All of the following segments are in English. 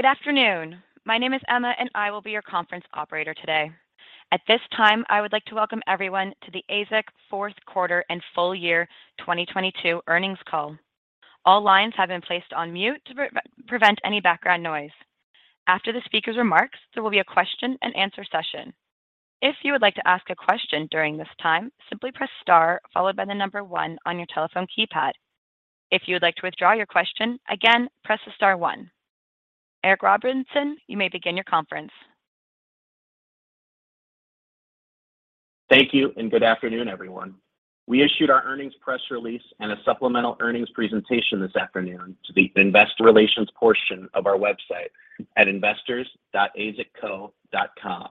Good afternoon. My name is Emma, and I will be your conference operator today. At this time, I would like to welcome everyone to the AZEK fourth quarter and full year 2022 earnings call. All lines have been placed on mute to prevent any background noise. After the speaker's remarks, there will be a question-and-answer session. If you would like to ask a question during this time, simply press star followed by one on your telephone keypad. If you would like to withdraw your question, again, press the star one. Eric Robinson, you may begin your conference. Thank you, good afternoon, everyone. We issued our earnings press release and a supplemental earnings presentation this afternoon to the investor relations portion of our website at investors.azekco.com.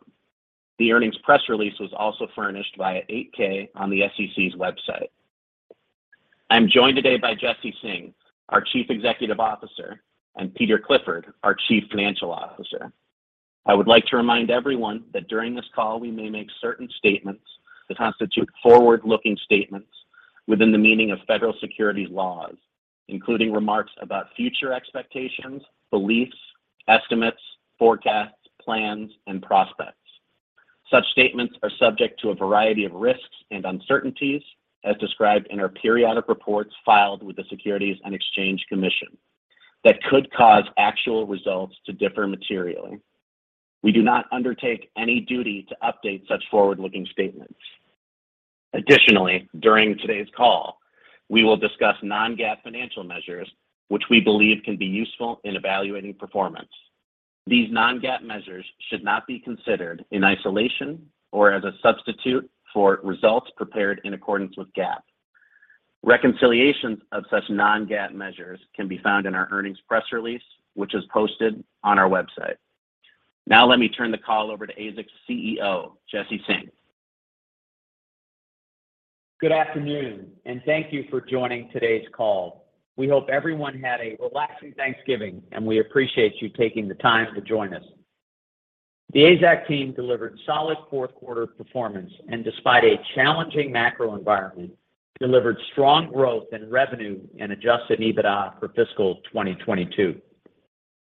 The earnings press release was also furnished via Form 8-K on the SEC's website. I'm joined today by Jesse Singh, our Chief Executive Officer, and Peter Clifford, our Chief Financial Officer. I would like to remind everyone that during this call, we may make certain statements that constitute forward-looking statements within the meaning of Federal securities laws, including remarks about future expectations, beliefs, estimates, forecasts, plans, and prospects. Such statements are subject to a variety of risks and uncertainties as described in our periodic reports filed with the Securities and Exchange Commission that could cause actual results to differ materially. We do not undertake any duty to update such forward-looking statements. Additionally, during today's call, we will discuss non-GAAP financial measures, which we believe can be useful in evaluating performance. These non-GAAP measures should not be considered in isolation or as a substitute for results prepared in accordance with GAAP. Reconciliations of such non-GAAP measures can be found in our earnings press release, which is posted on our website. Let me turn the call over to AZEK's CEO, Jesse Singh. Good afternoon. Thank you for joining today's call. We hope everyone had a relaxing Thanksgiving. We appreciate you taking the time to join us. The AZEK team delivered solid fourth quarter performance, and despite a challenging macro environment, delivered strong growth in revenue and adjusted EBITDA for fiscal 2022.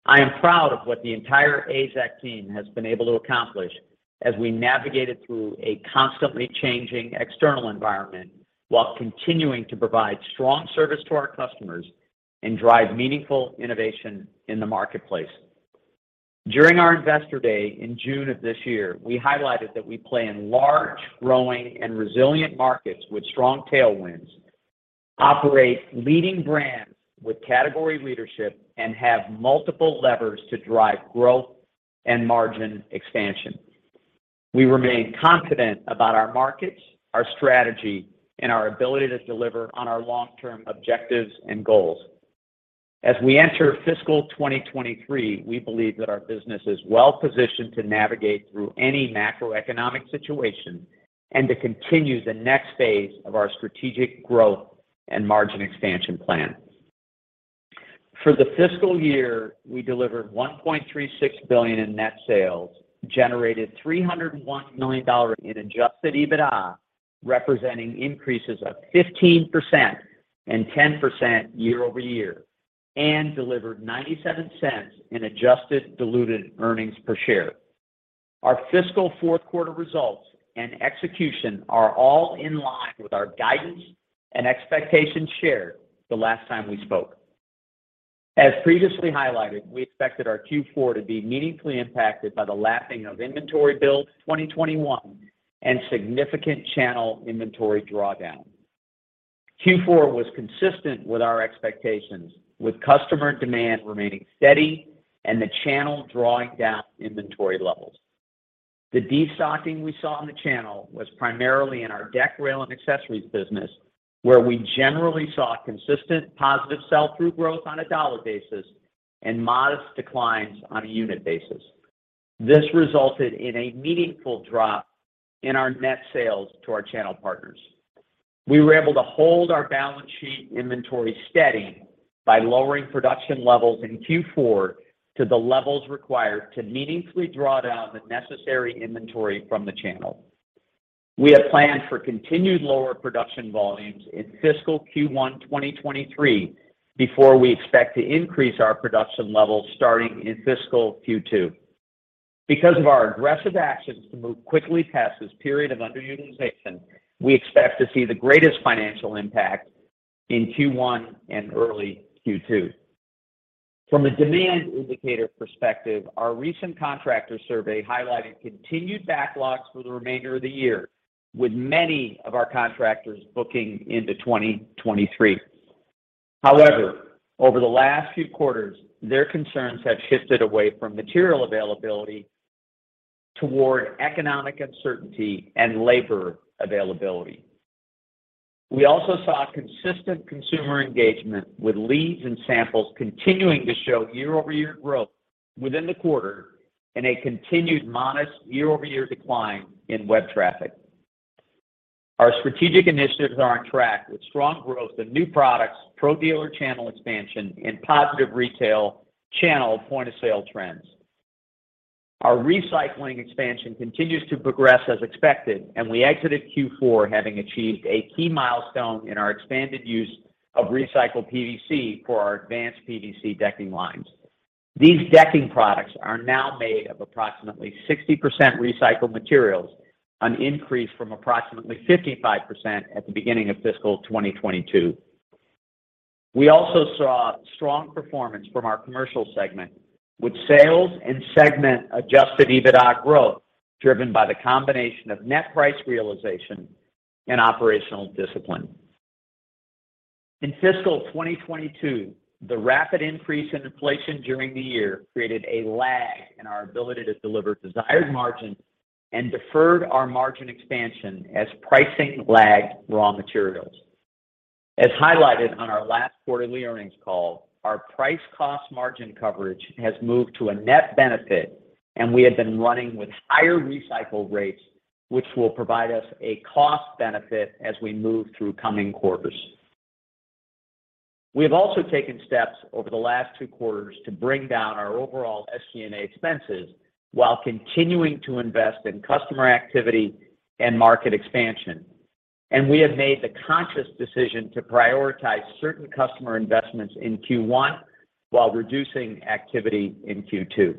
I am proud of what the entire AZEK team has been able to accomplish as we navigated through a constantly changing external environment while continuing to provide strong service to our customers and drive meaningful innovation in the marketplace. During our Investor Day in June of this year, we highlighted that we play in large, growing, and resilient markets with strong tailwinds, operate leading brands with category leadership, and have multiple levers to drive growth and margin expansion. We remain confident about our markets, our strategy, and our ability to deliver on our long-term objectives and goals. As we enter fiscal 2023, we believe that our business is well-positioned to navigate through any macroeconomic situation and to continue the next phase of our strategic growth and margin expansion plan. For the fiscal year, we delivered $1.36 billion in net sales, generated $301 million in adjusted EBITDA, representing increases of 15% and 10% year-over-year, and delivered $0.97 in adjusted diluted earnings per share. Our fiscal fourth quarter results and execution are all in line with our guidance and expectations shared the last time we spoke. As previously highlighted, we expected our Q4 to be meaningfully impacted by the lapping of inventory build 2021 and significant channel inventory drawdown. Q4 was consistent with our expectations, with customer demand remaining steady and the channel drawing down inventory levels. The destocking we saw in the channel was primarily in our deck, rail, and accessories business, where we generally saw consistent positive sell-through growth on a dollar basis and modest declines on a unit basis. This resulted in a meaningful drop in our net sales to our channel partners. We were able to hold our balance sheet inventory steady by lowering production levels in Q4 to the levels required to meaningfully draw down the necessary inventory from the channel. We have planned for continued lower production volumes in fiscal Q1 2023 before we expect to increase our production levels starting in fiscal Q2. Because of our aggressive actions to move quickly past this period of underutilization, we expect to see the greatest financial impact in Q1 and early Q2. From a demand indicator perspective, our recent contractor survey highlighted continued backlogs for the remainder of the year, with many of our contractors booking into 2023. Over the last few quarters, their concerns have shifted away from material availability toward economic uncertainty and labor availability. We also saw consistent consumer engagement with leads and samples continuing to show year-over-year growth within the quarter and a continued modest year-over-year decline in web traffic. Our strategic initiatives are on track with strong growth in new products, pro-dealer channel expansion, and positive retail channel point-of-sale trends. Our recycling expansion continues to progress as expected, and we exited Q4 having achieved a key milestone in our expanded use of recycled PVC for our advanced PVC decking lines. These decking products are now made of approximately 60% recycled materials, an increase from approximately 55% at the beginning of fiscal 2022. We also saw strong performance from our commercial segment, with sales and segment-adjusted EBITDA growth, driven by the combination of net price realization and operational discipline. In fiscal 2022, the rapid increase in inflation during the year created a lag in our ability to deliver desired margins and deferred our margin expansion as pricing lagged raw materials. As highlighted on our last quarterly earnings call, our price-cost margin coverage has moved to a net benefit, and we have been running with higher recycle rates, which will provide us a cost benefit as we move through coming quarters. We have also taken steps over the last 2Quarters to bring down our overall SG&A expenses while continuing to invest in customer activity and market expansion. We have made the conscious decision to prioritize certain customer investments in Q1 while reducing activity in Q2.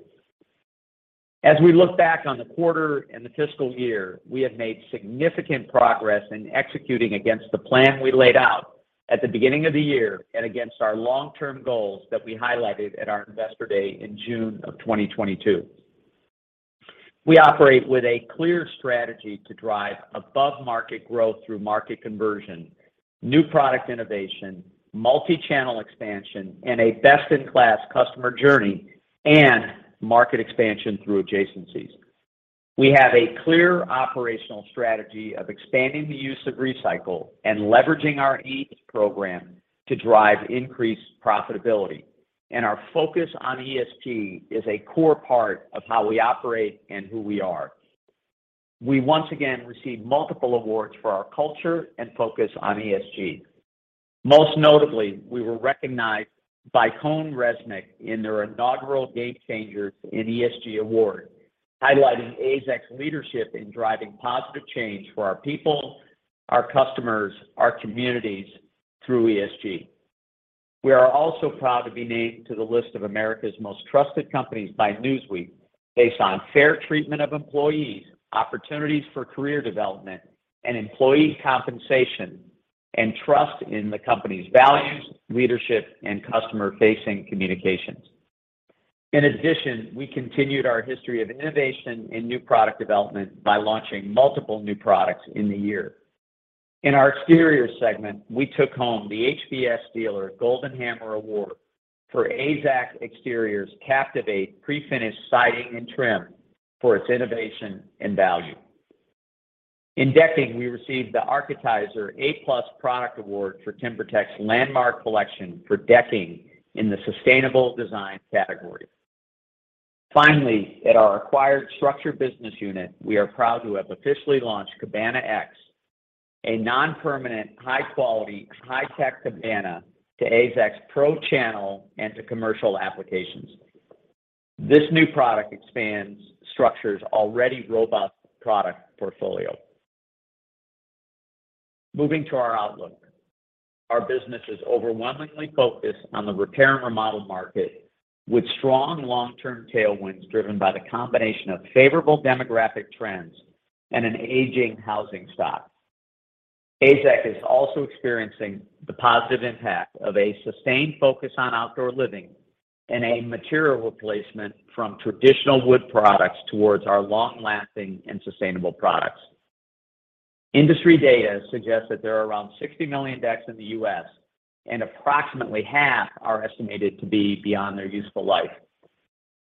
As we look back on the quarter and the fiscal year, we have made significant progress in executing against the plan we laid out at the beginning of the year and against our long-term goals that we highlighted at our Investor Day in June of 2022. We operate with a clear strategy to drive above-market growth through market conversion, new product innovation, multi-channel expansion, and a best-in-class customer journey and market expansion through adjacencies. We have a clear operational strategy of expanding the use of recycle and leveraging our EOS program to drive increased profitability. Our focus on ESG is a core part of how we operate and who we are. We once again received multiple awards for our culture and focus on ESG. Most notably, we were recognized by CohnReznick in their inaugural Gamechangers in ESG Award, highlighting AZEK's leadership in driving positive change for our people, our customers, our communities through ESG. We are also proud to be named to the list of America's Most Trusted Companies by Newsweek based on fair treatment of employees, opportunities for career development and employee compensation, and trust in the company's values, leadership, and customer-facing communications. In addition, we continued our history of innovation in new product development by launching multiple new products in the year. In our exterior segment, we took home the HBSDealer Golden Hammer Award for AZEK Exteriors' Captivate Prefinished Siding and Trim for its innovation and value. In decking, we received the Architizer A+Product Award for TimberTech's Landmark Collection for decking in the sustainable design category. At our acquired StruXure business unit, we are proud to have officially launched Cabana X, a non-permanent, high-quality, high-tech cabana to AZEK's pro channel and to commercial applications. This new product expands StruXure's already robust product portfolio. Moving to our outlook. Our business is overwhelmingly focused on the repair and remodel market with strong long-term tailwinds driven by the combination of favorable demographic trends and an aging housing stock. AZEK is also experiencing the positive impact of a sustained focus on outdoor living and a material replacement from traditional wood products towards our long-lasting and sustainable products. Industry data suggests that there are around 60 million decks in the US, and approximately half are estimated to be beyond their useful life.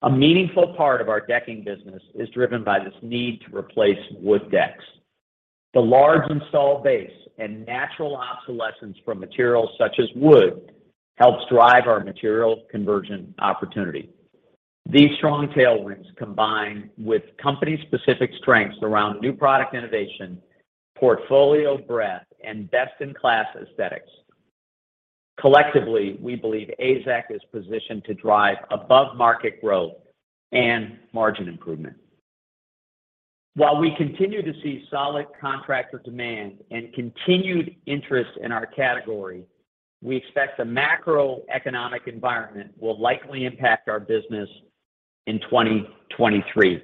A meaningful part of our decking business is driven by this need to replace wood decks. The large installed base and natural obsolescence from materials such as wood helps drive our material conversion opportunity. These strong tailwinds combine with company-specific strengths around new product innovation, portfolio breadth, and best-in-class aesthetics. Collectively, we believe AZEK is positioned to drive above-market growth and margin improvement. While we continue to see solid contractor demand and continued interest in our category, we expect the macroeconomic environment will likely impact our business in 2023.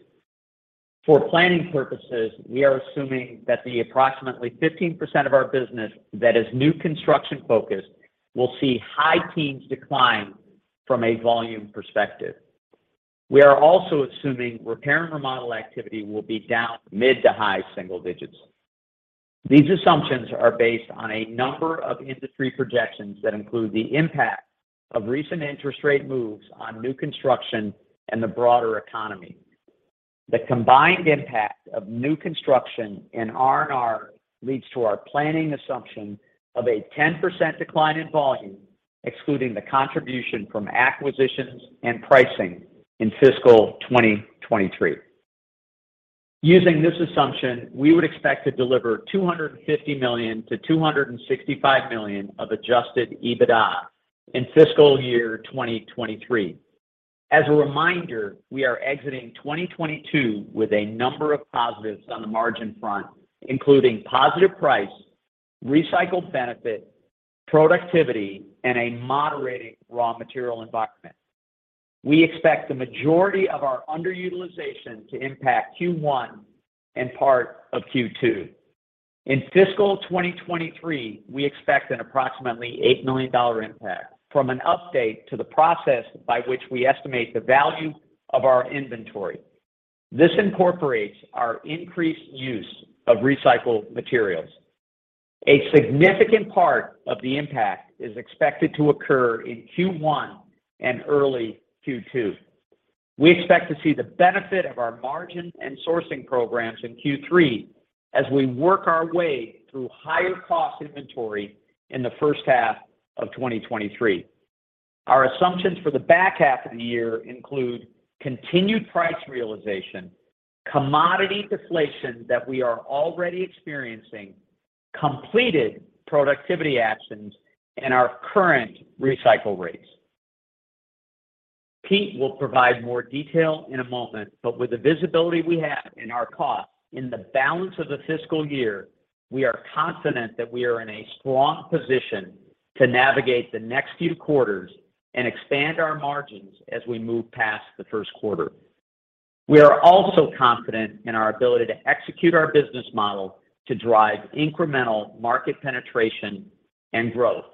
For planning purposes, we are assuming that the approximately 15% of our business that is new construction-focused will see high teens decline from a volume perspective. We are also assuming repair and remodel activity will be down mid to high single digits. These assumptions are based on a number of industry projections that include the impact of recent interest rate moves on new construction and the broader economy. The combined impact of new construction and R&R leads to our planning assumption of a 10% decline in volume, excluding the contribution from acquisitions and pricing in fiscal 2023. Using this assumption, we would expect to deliver $250 million-$265 million of adjusted EBITDA in fiscal year 2023. As a reminder, we are exiting 2022 with a number of positives on the margin front, including positive price, recycled benefit, productivity, and a moderating raw material environment. We expect the majority of our underutilization to impact Q1 and part of Q2. In fiscal 2023, we expect an approximately $8 million impact from an update to the process by which we estimate the value of our inventory. This incorporates our increased use of recycled materials. A significant part of the impact is expected to occur in Q1 and early Q2. We expect to see the benefit of our margin and sourcing programs in Q3 as we work our way through higher cost inventory in the first half of 2023. Our assumptions for the back half of the year include continued price realization, commodity deflation that we are already experiencing, completed productivity actions, and our current recycle rates. Pete will provide more detail in a moment, but with the visibility we have in our costs in the balance of the fiscal year, we are confident that we are in a strong position to navigate the next few quarters and expand our margins as we move past the first quarter. We are also confident in our ability to execute our business model to drive incremental market penetration and growth.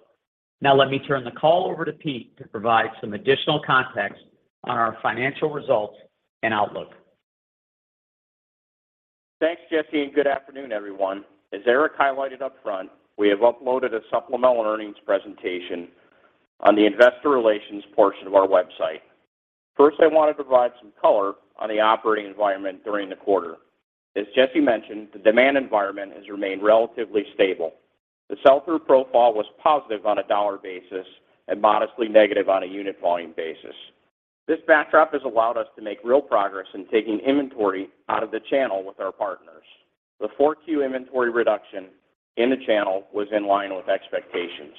Now let me turn the call over to Pete to provide some additional context on our financial results and outlook. Thanks, Jesse. Good afternoon, everyone. As Eric highlighted up front, we have uploaded a supplemental earnings presentation on the investor relations portion of our website. First, I want to provide some color on the operating environment during the quarter. As Jesse mentioned, the demand environment has remained relatively stable. The sell-through profile was positive on a dollar basis and modestly negative on a unit volume basis. This backdrop has allowed us to make real progress in taking inventory out of the channel with our partners. The 4Q inventory reduction in the channel was in line with expectations.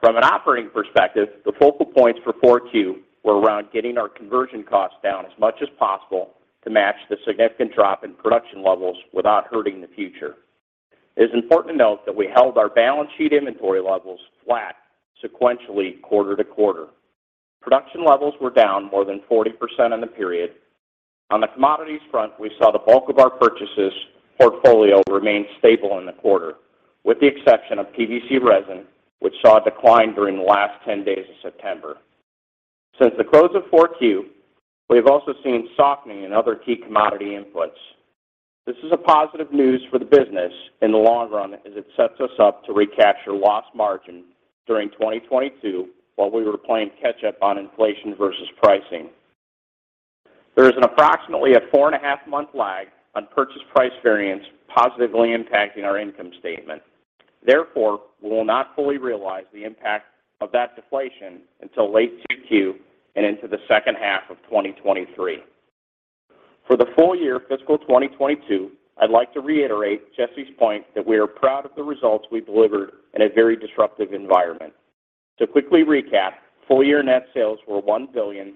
From an operating perspective, the focal points for 4Q were around getting our conversion costs down as much as possible to match the significant drop in production levels without hurting the future. It is important to note that we held our balance sheet inventory levels flat sequentially quarter to quarter. Production levels were down more than 40% in the period. On the commodities front, we saw the bulk of our purchases portfolio remain stable in the quarter, with the exception of PVC resin, which saw a decline during the last 10 days of September. Since the close of 4Q, we have also seen softening in other key commodity inputs. This is a positive news for the business in the long run as it sets us up to recapture lost margin during 2022 while we were playing catch up on inflation versus pricing. There is an approximately a 4.5 Month lag on purchase price variance positively impacting our income statement. We will not fully realize the impact of that deflation until late 2Q and into the second half of 2023. For the full year fiscal 2022, I'd like to reiterate Jesse's point that we are proud of the results we delivered in a very disruptive environment. To quickly recap, full year net sales were $1.356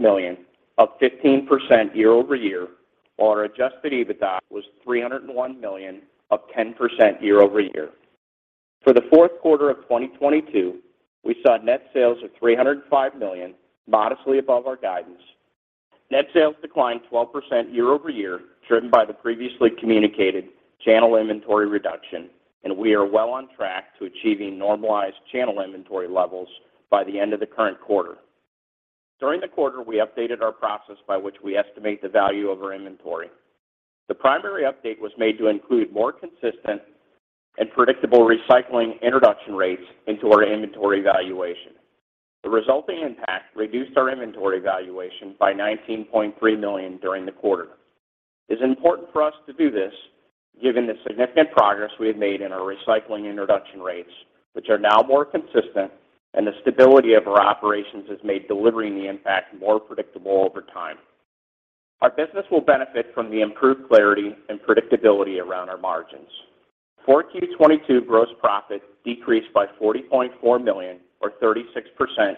billion, up 15% year-over-year, while our adjusted EBITDA was $301 million, up 10% year-over-year. For the fourth quarter of 2022, we saw net sales of $305 million, modestly above our guidance. Net sales declined 12% year-over-year, driven by the previously communicated channel inventory reduction. We are well on track to achieving normalized channel inventory levels by the end of the current quarter. During the quarter, we updated our process by which we estimate the value of our inventory. The primary update was made to include more consistent and predictable recycling introduction rates into our inventory valuation. The resulting impact reduced our inventory valuation by $19.3 million during the quarter. It is important for us to do this given the significant progress we have made in our recycling introduction rates, which are now more consistent, and the stability of our operations has made delivering the impact more predictable over time. Our business will benefit from the improved clarity and predictability around our margins. 4Q 2022 gross profit decreased by $40.4 million or 36%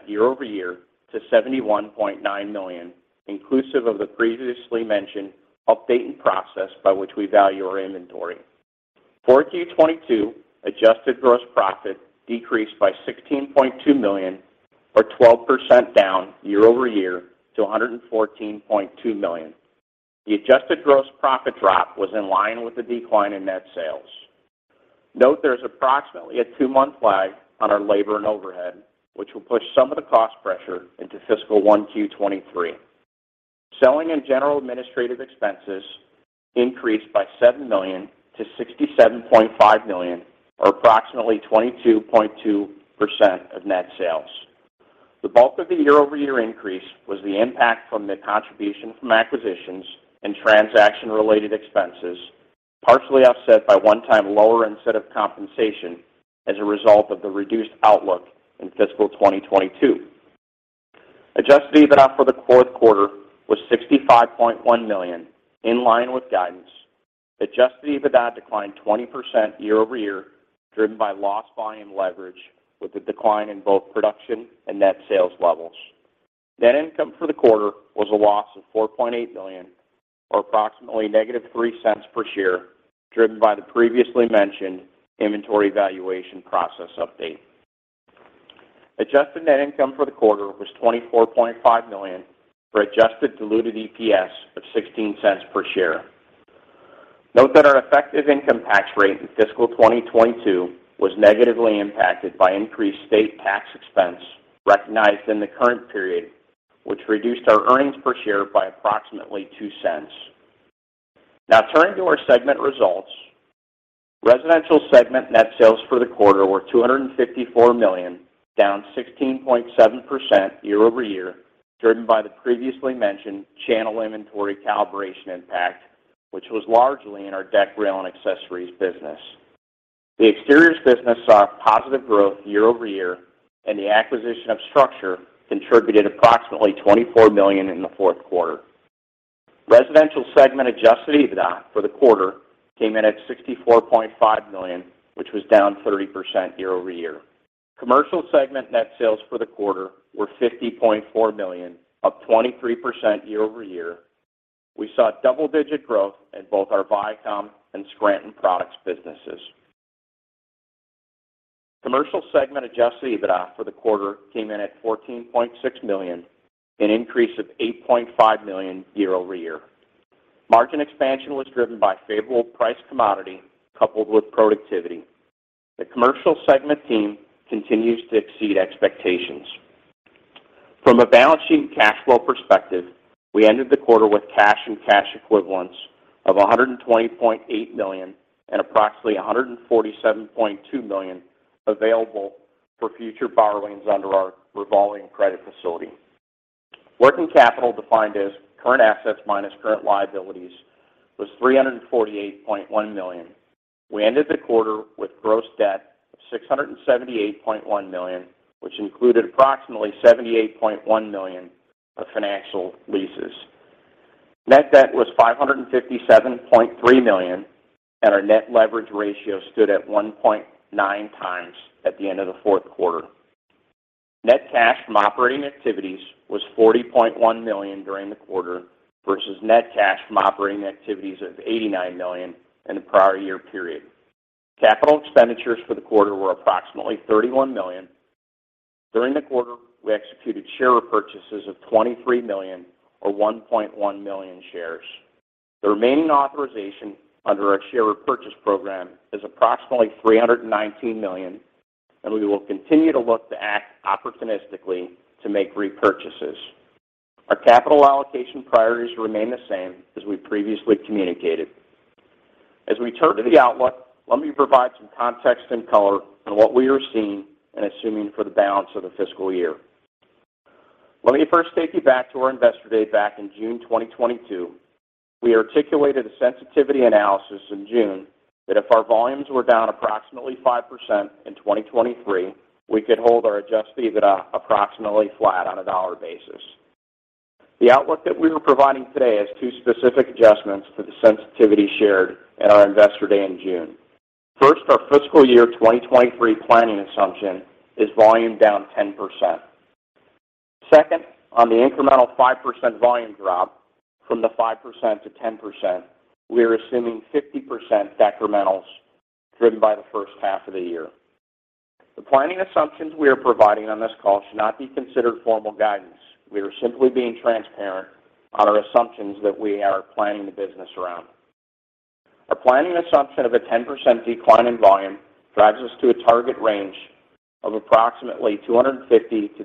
year-over-year to $71.9 million, inclusive of the previously mentioned update in process by which we value our inventory. 4Q 2022 adjusted gross profit decreased by $16.2 million or 12% down year-over-year to $114.2 million. The adjusted gross profit drop was in line with the decline in net sales. Note there is approximately a two-month lag on our labor and overhead, which will push some of the cost pressure into fiscal 1Q 2023. Selling and general administrative expenses increased by $7 million to $67.5 million or approximately 22.2% of net sales. The bulk of the year-over-year increase was the impact from the contribution from acquisitions and transaction-related expenses, partially offset by one-time lower incentive compensation as a result of the reduced outlook in fiscal 2022. Adjusted EBITDA for the fourth quarter was $65.1 million, in line with guidance. Adjusted EBITDA declined 20% year-over-year, driven by loss volume leverage with the decline in both production and net sales levels. Net income for the quarter was a loss of $4.8 million, or approximately -$0.03 per share, driven by the previously mentioned inventory valuation process update. Adjusted net income for the quarter was $24.5 million, for adjusted diluted EPS of $0.16 per share. Note that our effective income tax rate in fiscal 2022 was negatively impacted by increased state tax expense recognized in the current period, which reduced our earnings per share by approximately $0.02. Now turning to our segment results. Residential segment net sales for the quarter were $254 million, down 16.7% year-over-year, driven by the previously mentioned channel inventory calibration impact, which was largely in our deck, rail, and accessories business. The exteriors business saw positive growth year-over-year, and the acquisition of StruXure contributed approximately $24 million in the fourth quarter. Residential segment adjusted EBITDA for the quarter came in at $64.5 million, which was down 30% year-over-year. Commercial segment net sales for the quarter were $50.4 million, up 23% year-over-year. We saw double-digit growth in both our Vycom and Scranton Products businesses. Commercial segment adjusted EBITDA for the quarter came in at $14.6 million, an increase of $8.5 million year-over-year. Margin expansion was driven by favorable priced commodity coupled with productivity. The commercial segment team continues to exceed expectations. From a balance sheet and cash flow perspective, we ended the quarter with cash and cash equivalents of $120.8 million and approximately $147.2 million available for future borrowings under our revolving credit facility. Working capital, defined as current assets minus current liabilities, was $348.1 million. We ended the quarter with gross debt of $678.1 million, which included approximately $78.1 million of financial leases. Net debt was $557.3 million, and our net leverage ratio stood at 1.9x at the end of the fourth quarter. Net cash from operating activities was $40.1 million during the quarter versus net cash from operating activities of $89 million in the prior year period. Capital expenditures for the quarter were approximately $31 million. During the quarter, we executed share repurchases of $23 million or 1.1 million shares. The remaining authorization under our share repurchase program is approximately $319 million, we will continue to look to act opportunistically to make repurchases. Our capital allocation priorities remain the same as we previously communicated. As we turn to the outlook, let me provide some context and color on what we are seeing and assuming for the balance of the fiscal year. Let me first take you back to our Investor Day back in June 2022. We articulated a sensitivity analysis in June that if our volumes were down approximately 5% in 2023, we could hold our adjusted EBITDA approximately flat on a dollar basis. The outlook that we are providing today has two specific adjustments to the sensitivity shared at our Investor Day in June. First, our fiscal year 2023 planning assumption is volume down 10%. Second, on the incremental 5% volume drop from the 5%-10%, we are assuming 50% decrementals driven by the first half of the year. The planning assumptions we are providing on this call should not be considered formal guidance. We are simply being transparent on our assumptions that we are planning the business around. A planning assumption of a 10% decline in volume drives us to a target range of approximately $250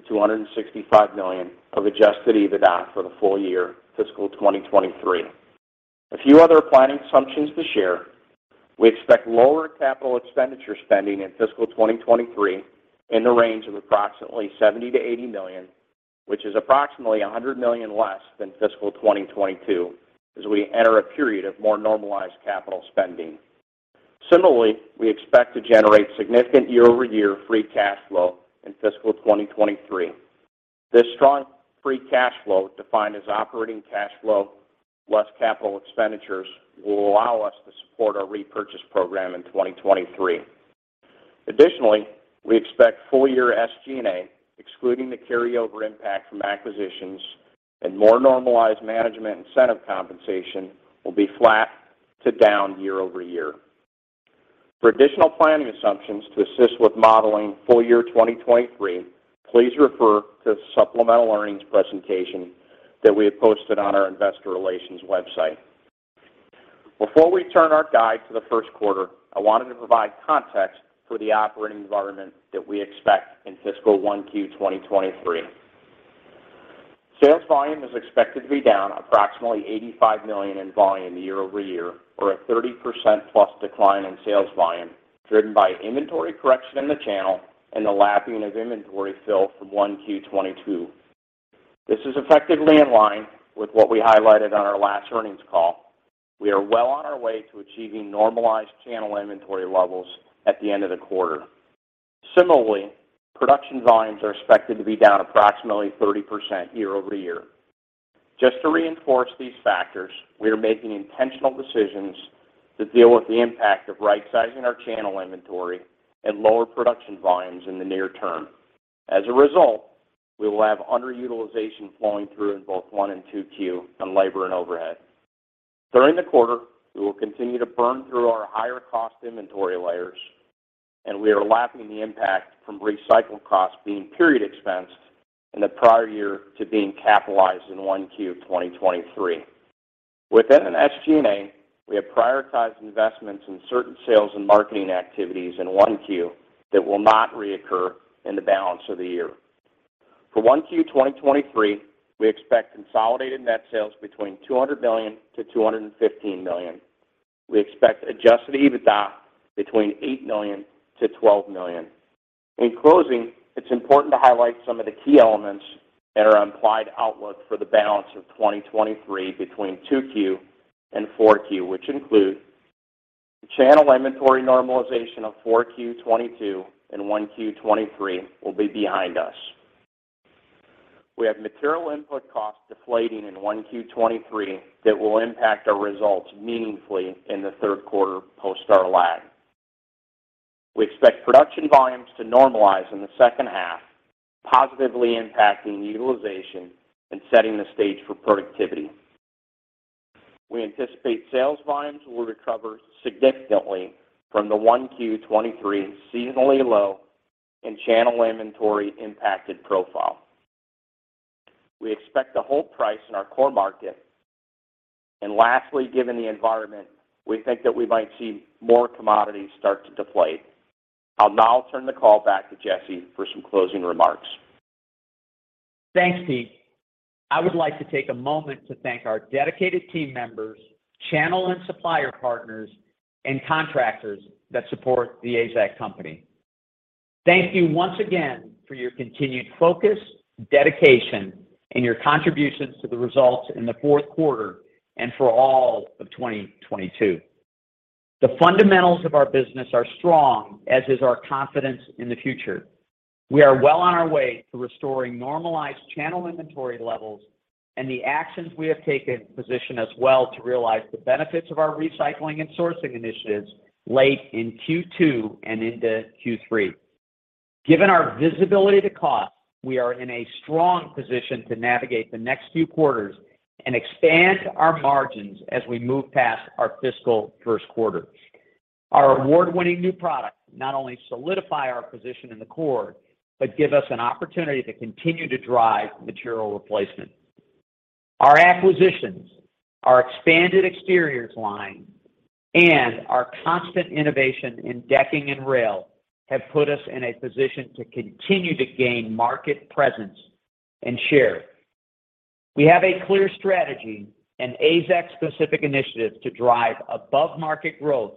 million-$265 million of adjusted EBITDA for the full year fiscal 2023. A few other planning assumptions to share. We expect lower capital expenditure spending in fiscal 2023 in the range of approximately $70 million-$80 million, which is approximately $100 million less than fiscal 2022 as we enter a period of more normalized capital spending. Similarly, we expect to generate significant year-over-year free cash flow in fiscal 2023. This strong free cash flow, defined as operating cash flow less capital expenditures, will allow us to support our repurchase program in 2023. Additionally, we expect full year SG&A, excluding the carryover impact from acquisitions and more normalized management incentive compensation, will be flat to down year-over-year. For additional planning assumptions to assist with modeling full year 2023, please refer to the supplemental earnings presentation that we have posted on our investor relations website. Before we turn our guide to the first quarter, I wanted to provide context for the operating environment that we expect in fiscal 1Q 2023. Sales volume is expected to be down approximately $85 million in volume year-over-year, or a 30%+ decline in sales volume, driven by inventory correction in the channel and the lapping of inventory fill from 1Q 2022. This is effectively in line with what we highlighted on our last earnings call. We are well on our way to achieving normalized channel inventory levels at the end of the quarter. Similarly, production volumes are expected to be down approximately 30% year-over-year. Just to reinforce these factors, we are making intentional decisions to deal with the impact of rightsizing our channel inventory and lower production volumes in the near term. As a result, we will have underutilization flowing through in both 1Q and 2Q on labor and overhead. During the quarter, we will continue to burn through our higher cost inventory layers, and we are lapping the impact from recycled costs being period expensed in the prior year to being capitalized in 1Q of 2023. Within an SG&A, we have prioritized investments in certain sales and marketing activities in 1Q that will not reoccur in the balance of the year. For 1Q 2023, we expect consolidated net sales between $200 million-$215 million. We expect adjusted EBITDA between $8 million-$12 million. In closing, it's important to highlight some of the key elements that are implied outlook for the balance of 2023 between 2Q and 4Q, which include: the channel inventory normalization of 4Q 2022 and 1Q 2023 will be behind us. We have material input costs deflating in 1Q 2023 that will impact our results meaningfully in the third quarter post our lag. We expect production volumes to normalize in the second half, positively impacting utilization and setting the stage for productivity. We anticipate sales volumes will recover significantly from the 1Q 2023 seasonally low and channel inventory impacted profile. We expect the whole price in our core market. Lastly, given the environment, we think that we might see more commodities start to deflate. I'll now turn the call back to Jesse for some closing remarks. Thanks, Pete. I would like to take a moment to thank our dedicated team members, channel and supplier partners, and contractors that support The AZEK Company. Thank you once again for your continued focus, dedication, and your contributions to the results in the fourth quarter and for all of 2022. The fundamentals of our business are strong, as is our confidence in the future. We are well on our way to restoring normalized channel inventory levels, and the actions we have taken position us well to realize the benefits of our recycling and sourcing initiatives late in Q2 and into Q3. Given our visibility to cost, we are in a strong position to navigate the next few quarters and expand our margins as we move past our fiscal first quarter. Our award-winning new products not only solidify our position in the core, but give us an opportunity to continue to drive material replacement. Our acquisitions, our expanded exteriors line, and our constant innovation in decking and rail have put us in a position to continue to gain market presence and share. We have a clear strategy and AZEK specific initiatives to drive above-market growth,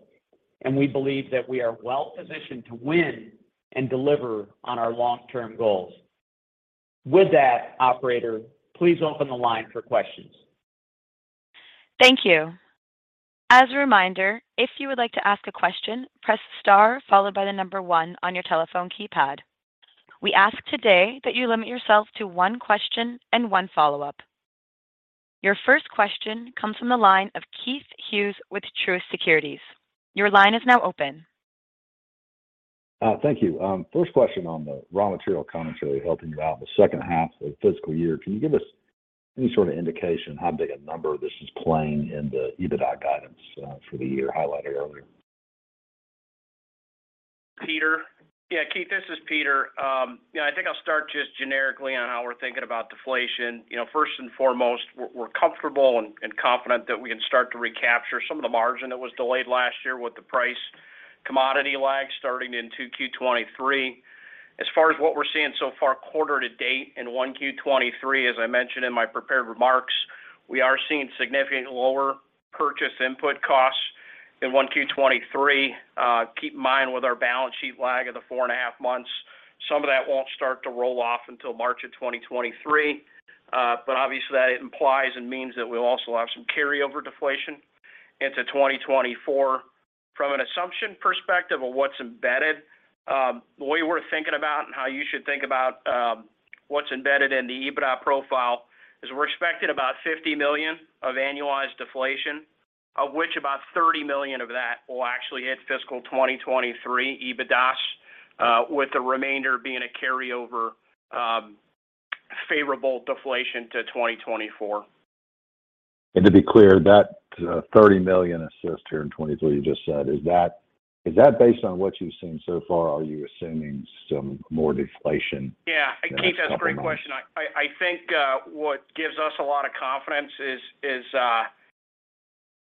and we believe that we are well-positioned to win and deliver on our long-term goals. With that, operator, please open the line for questions. Thank you. As a reminder, if you would like to ask a question, press star followed by one on your telephone keypad. We ask today that you limit yourself to 1Question and one follow-up. Your first question comes from the line of Keith Hughes with Truist Securities. Your line is now open. Thank you. First question on the raw material commentary helping you out in the second half of the fiscal year. Can you give us any sort of indication how big a number this is playing in the EBITDA guidance for the year highlighted earlier? Yeah, Keith, this is Peter. You know, I think I'll start just generically on how we're thinking about deflation. You know, first and foremost, we're comfortable and confident that we can start to recapture some of the margin that was delayed last year with the price commodity lag starting in 2Q 2023. As far as what we're seeing so far quarter to date in 1Q 2023, as I mentioned in my prepared remarks, we are seeing significantly lower purchase input costs in 1Q 2023. Keep in mind with our balance sheet lag of the 4.5 months, some of that won't start to roll off until March of 2023. Obviously that implies and means that we'll also have some carryover deflation into 2024. From an assumption perspective of what's embedded, the way we're thinking about and how you should think about, what's embedded in the EBITDA profile is we're expecting about $50 million of annualized deflation, of which about $30 million of that will actually hit fiscal 2023 EBITDAs, with the remainder being a carryover, favorable deflation to 2024. To be clear, that, $30 million assist here in 2023 you just said, is that based on what you've seen so far? Are you assuming some more deflation in the coming months? Yeah. Keith, that's a great question. I think what gives us a lot of confidence is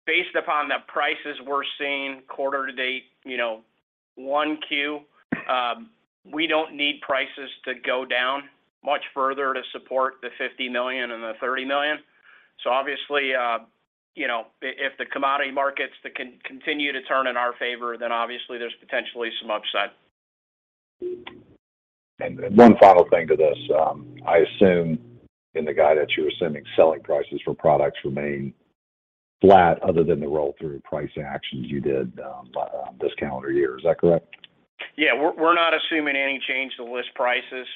based upon the prices we're seeing quarter to date, you know, 1 Q, we don't need prices to go down much further to support the $50 million and the $30 million. Obviously, you know, if the commodity markets continue to turn in our favor, then obviously there's potentially some upside. One final thing to this. I assume in the guide that you're assuming selling prices for products remain flat other than the roll-through price actions you did by this calendar year. Is that correct? Yeah. We're not assuming any change to list prices.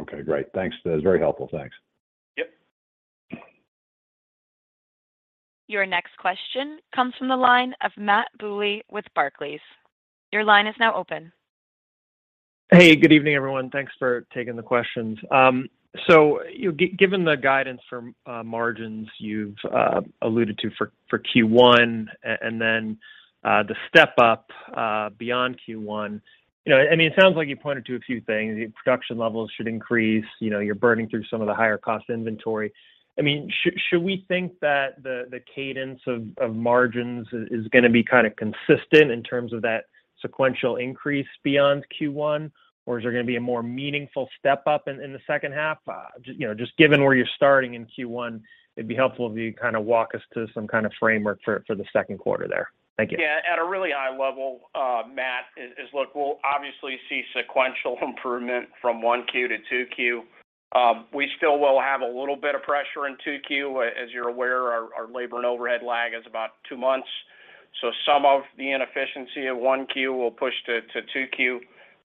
Okay, great. Thanks. That was very helpful. Thanks. Yep. Your next question comes from the line of Matthew Bouley with Barclays. Your line is now open. Hey, good evening, everyone. Thanks for taking the questions. Given the guidance from margins you've alluded to for Q1, and then the step up beyond Q1. You know, I mean, it sounds like you pointed to a few things. The production levels should increase. You know, you're burning through some of the higher cost inventory. I mean, should we think that the cadence of margins is gonna be kind of consistent in terms of that sequential increase beyond Q1? Or is there gonna be a more meaningful step up in the second half? You know, just given where you're starting in Q1, it'd be helpful if you kind of walk us to some kind of framework for the second quarter there. Thank you. Yeah. At a really high level, Matt, we'll obviously see sequential improvement from 1Q to 2Q. We still will have a little bit of pressure in 2Q. As you're aware, our labor and overhead lag is about two months. Some of the inefficiency of 1Q will push to 2Q.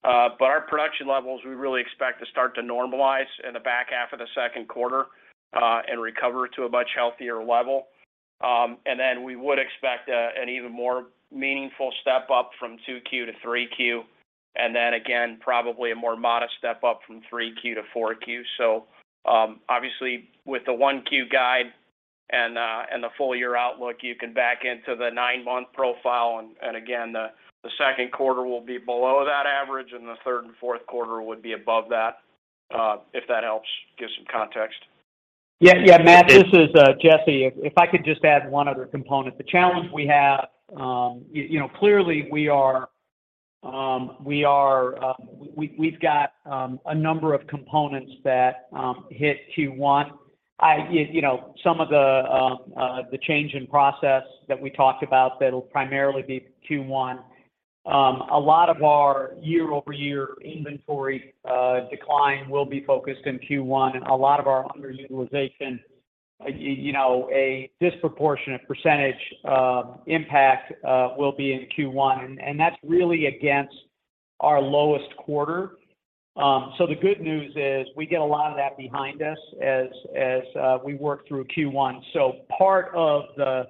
Our production levels, we really expect to start to normalize in the back half of the second quarter and recover to a much healthier level. We would expect an even more meaningful step up from 2Q to 3Q. Again, probably a more modest step up from 3Q to 4Q. Obviously with the 1Q guide and the full year outlook, you can back into the nine-month profile and again, the second quarter will be below that average, and the third and fourth quarter would be above that, if that helps give some context. Yeah. Yeah, Matt, this is Jesse. If I could just add one other component. The challenge we have, you know, clearly we are. We've got a number of components that hit Q1. You know, some of the change in process that we talked about, that'll primarily be Q1. A lot of our year-over-year inventory decline will be focused in Q1, and a lot of our underutilization, you know, a disproportionate percentage of impact will be in Q1. That's really against our lowest quarter. The good news is we get a lot of that behind us as we work through Q1. Part of the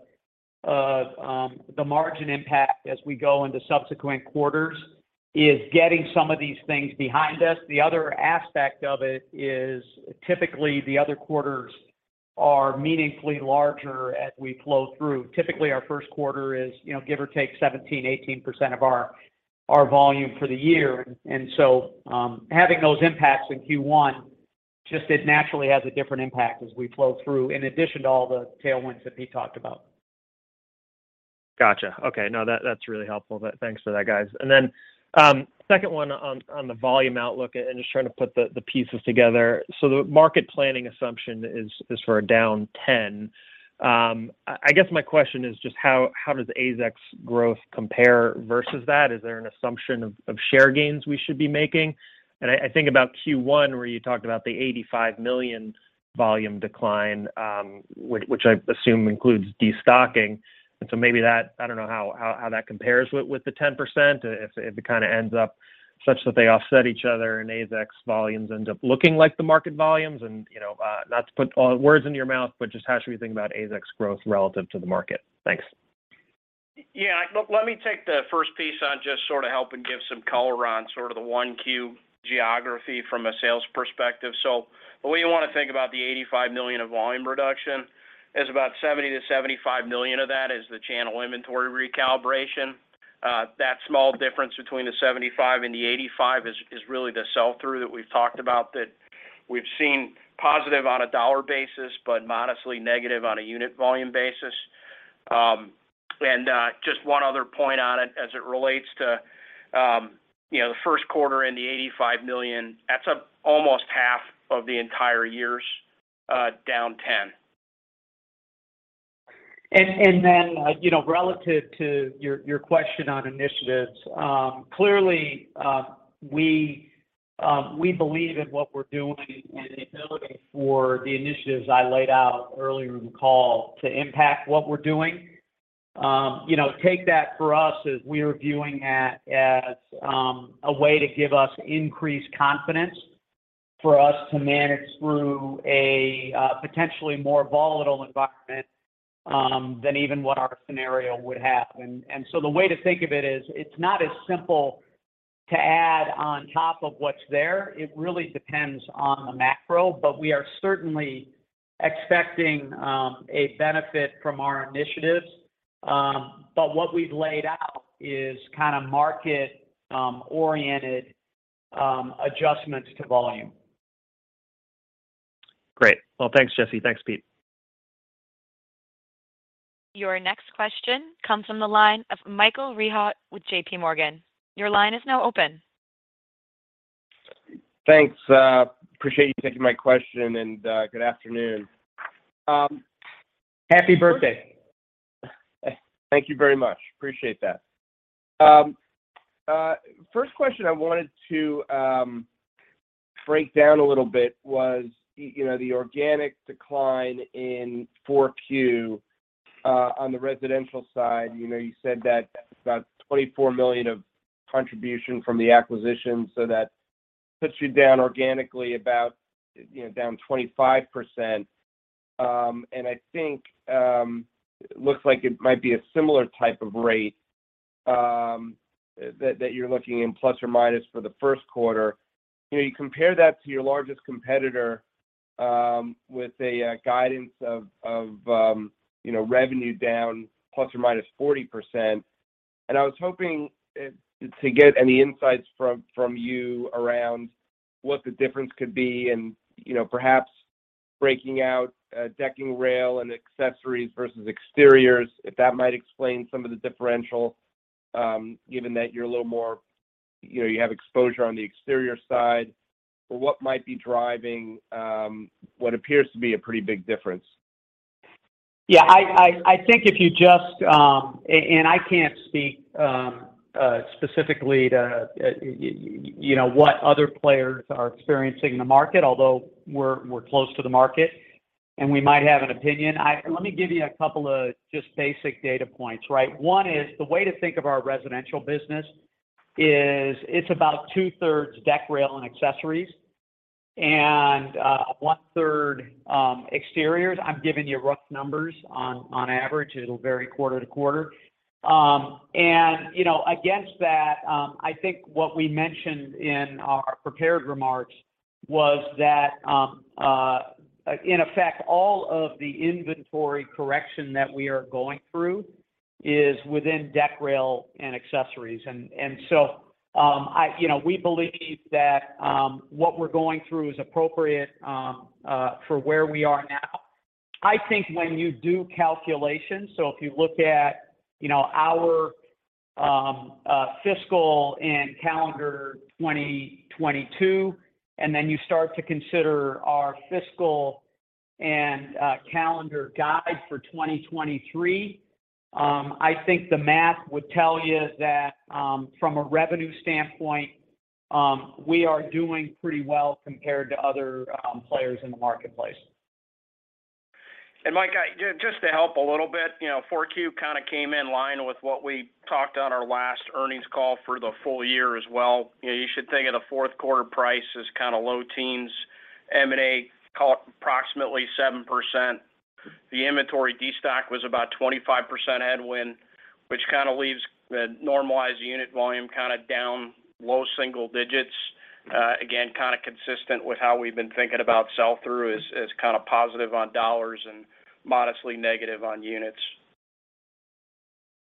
margin impact as we go into subsequent quarters is getting some of these things behind us. The other aspect of it is typically the other quarters are meaningfully larger as we flow through. Typically, our first quarter is, you know, give or take 17%, 18% of our volume for the year. Having those impacts in Q1 it naturally has a different impact as we flow through in addition to all the tailwinds that Pete talked about. Gotcha. Okay. No, that's really helpful. Thanks for that, guys. Second one on the volume outlook and just trying to put the pieces together. The market planning assumption is for a down 10%. I guess my question is just how AZEK's growth compares versus that? Is there an assumption of share gains we should be making? I think about Q1, where you talked about the $85 million volume decline, which I assume includes destocking. I don't know how that compares with the 10%, if it kind of ends up such that they offset each other and AZEK volumes end up looking like the market volumes, you know. Not to put words in your mouth, but just how should we think about AZEK growth relative to the market? Thanks. Look, let me take the first piece on just sort of helping give some color on sort of the 1Q geography from a sales perspective. The way you want to think about the $85 million of volume reduction is about $70 million-$75 million of that is the channel inventory recalibration. That small difference between the $75 million and the $85 million is really the sell-through that we've talked about that we've seen positive on a dollar basis but modestly negative on a unit volume basis. Just one other point on it as it relates to, you know, the 1Q and the $85 million, that's almost half of the entire year's down 10. You know, relative to your question on initiatives. Clearly, we believe in what we're doing and the ability for the initiatives I laid out earlier in the call to impact what we're doing. You know, take that for us as we are viewing that as a way to give us increased confidence for us to manage through a potentially more volatile environment than even what our scenario would have. The way to think of it is, it's not as simple to add on top of what's there. It really depends on the macro, but we are certainly expecting a benefit from our initiatives. What we've laid out is kind of market-oriented adjustments to volume. Great. Well, thanks, Jesse. Thanks, Pete. Your next question comes from the line of Michael Rehaut with JPMorgan. Your line is now open. Thanks. Appreciate you taking my question, and good afternoon. Happy birthday. Thank you very much. Appreciate that. First question I wanted to break down a little bit was, you know, the organic decline in 4Q on the residential side. You know, you said that about $24 million of contribution from the acquisition, so that puts you down organically about, you know, down 25%. And I think, looks like it might be a similar type of rate, that you're looking in plus or minus for the first quarter. You know, you compare that to your largest competitor, with a guidance of, you know, revenue down ±40%. I was hoping to get any insights from you around what the difference could be and, you know, perhaps breaking out decking, rail, and accessories versus exteriors, if that might explain some of the differential, given that you're a little more, you know, you have exposure on the exterior side. What might be driving what appears to be a pretty big difference? I think if you and I can't speak specifically to, you know, what other players are experiencing in the market, although we're close to the market, and we might have an opinion. Let me give you a couple of just basic data points, right? One is the way to think of our residential business is it's about 2/3 deck, rail, and accessories, and1/3 exteriors. I'm giving you rough numbers on average. It'll vary quarter-to-quarter. And, you know, against that, I think what we mentioned in our prepared remarks was that, in effect, all of the inventory correction that we are going through is within deck, rail, and accessories. You know, we believe that what we're going through is appropriate for where we are now. I think when you do calculations, so if you look at, you know, our fiscal and calendar 2022, and then you start to consider our fiscal and calendar guide for 2023, I think the math would tell you that from a revenue standpoint, we are doing pretty well compared to other players in the marketplace. Mike, just to help a little bit, you know, 4Q kinda came in line with what we talked on our last earnings call for the full year as well. You know, you should think of the fourth quarter price as kinda low teens. M&A call it approximately 7%. The inventory destock was about 25% headwind, which kinda leaves the normalized unit volume kinda down low single digits. Again, kinda consistent with how we've been thinking about sell-through is kinda positive on dollars and modestly negative on units.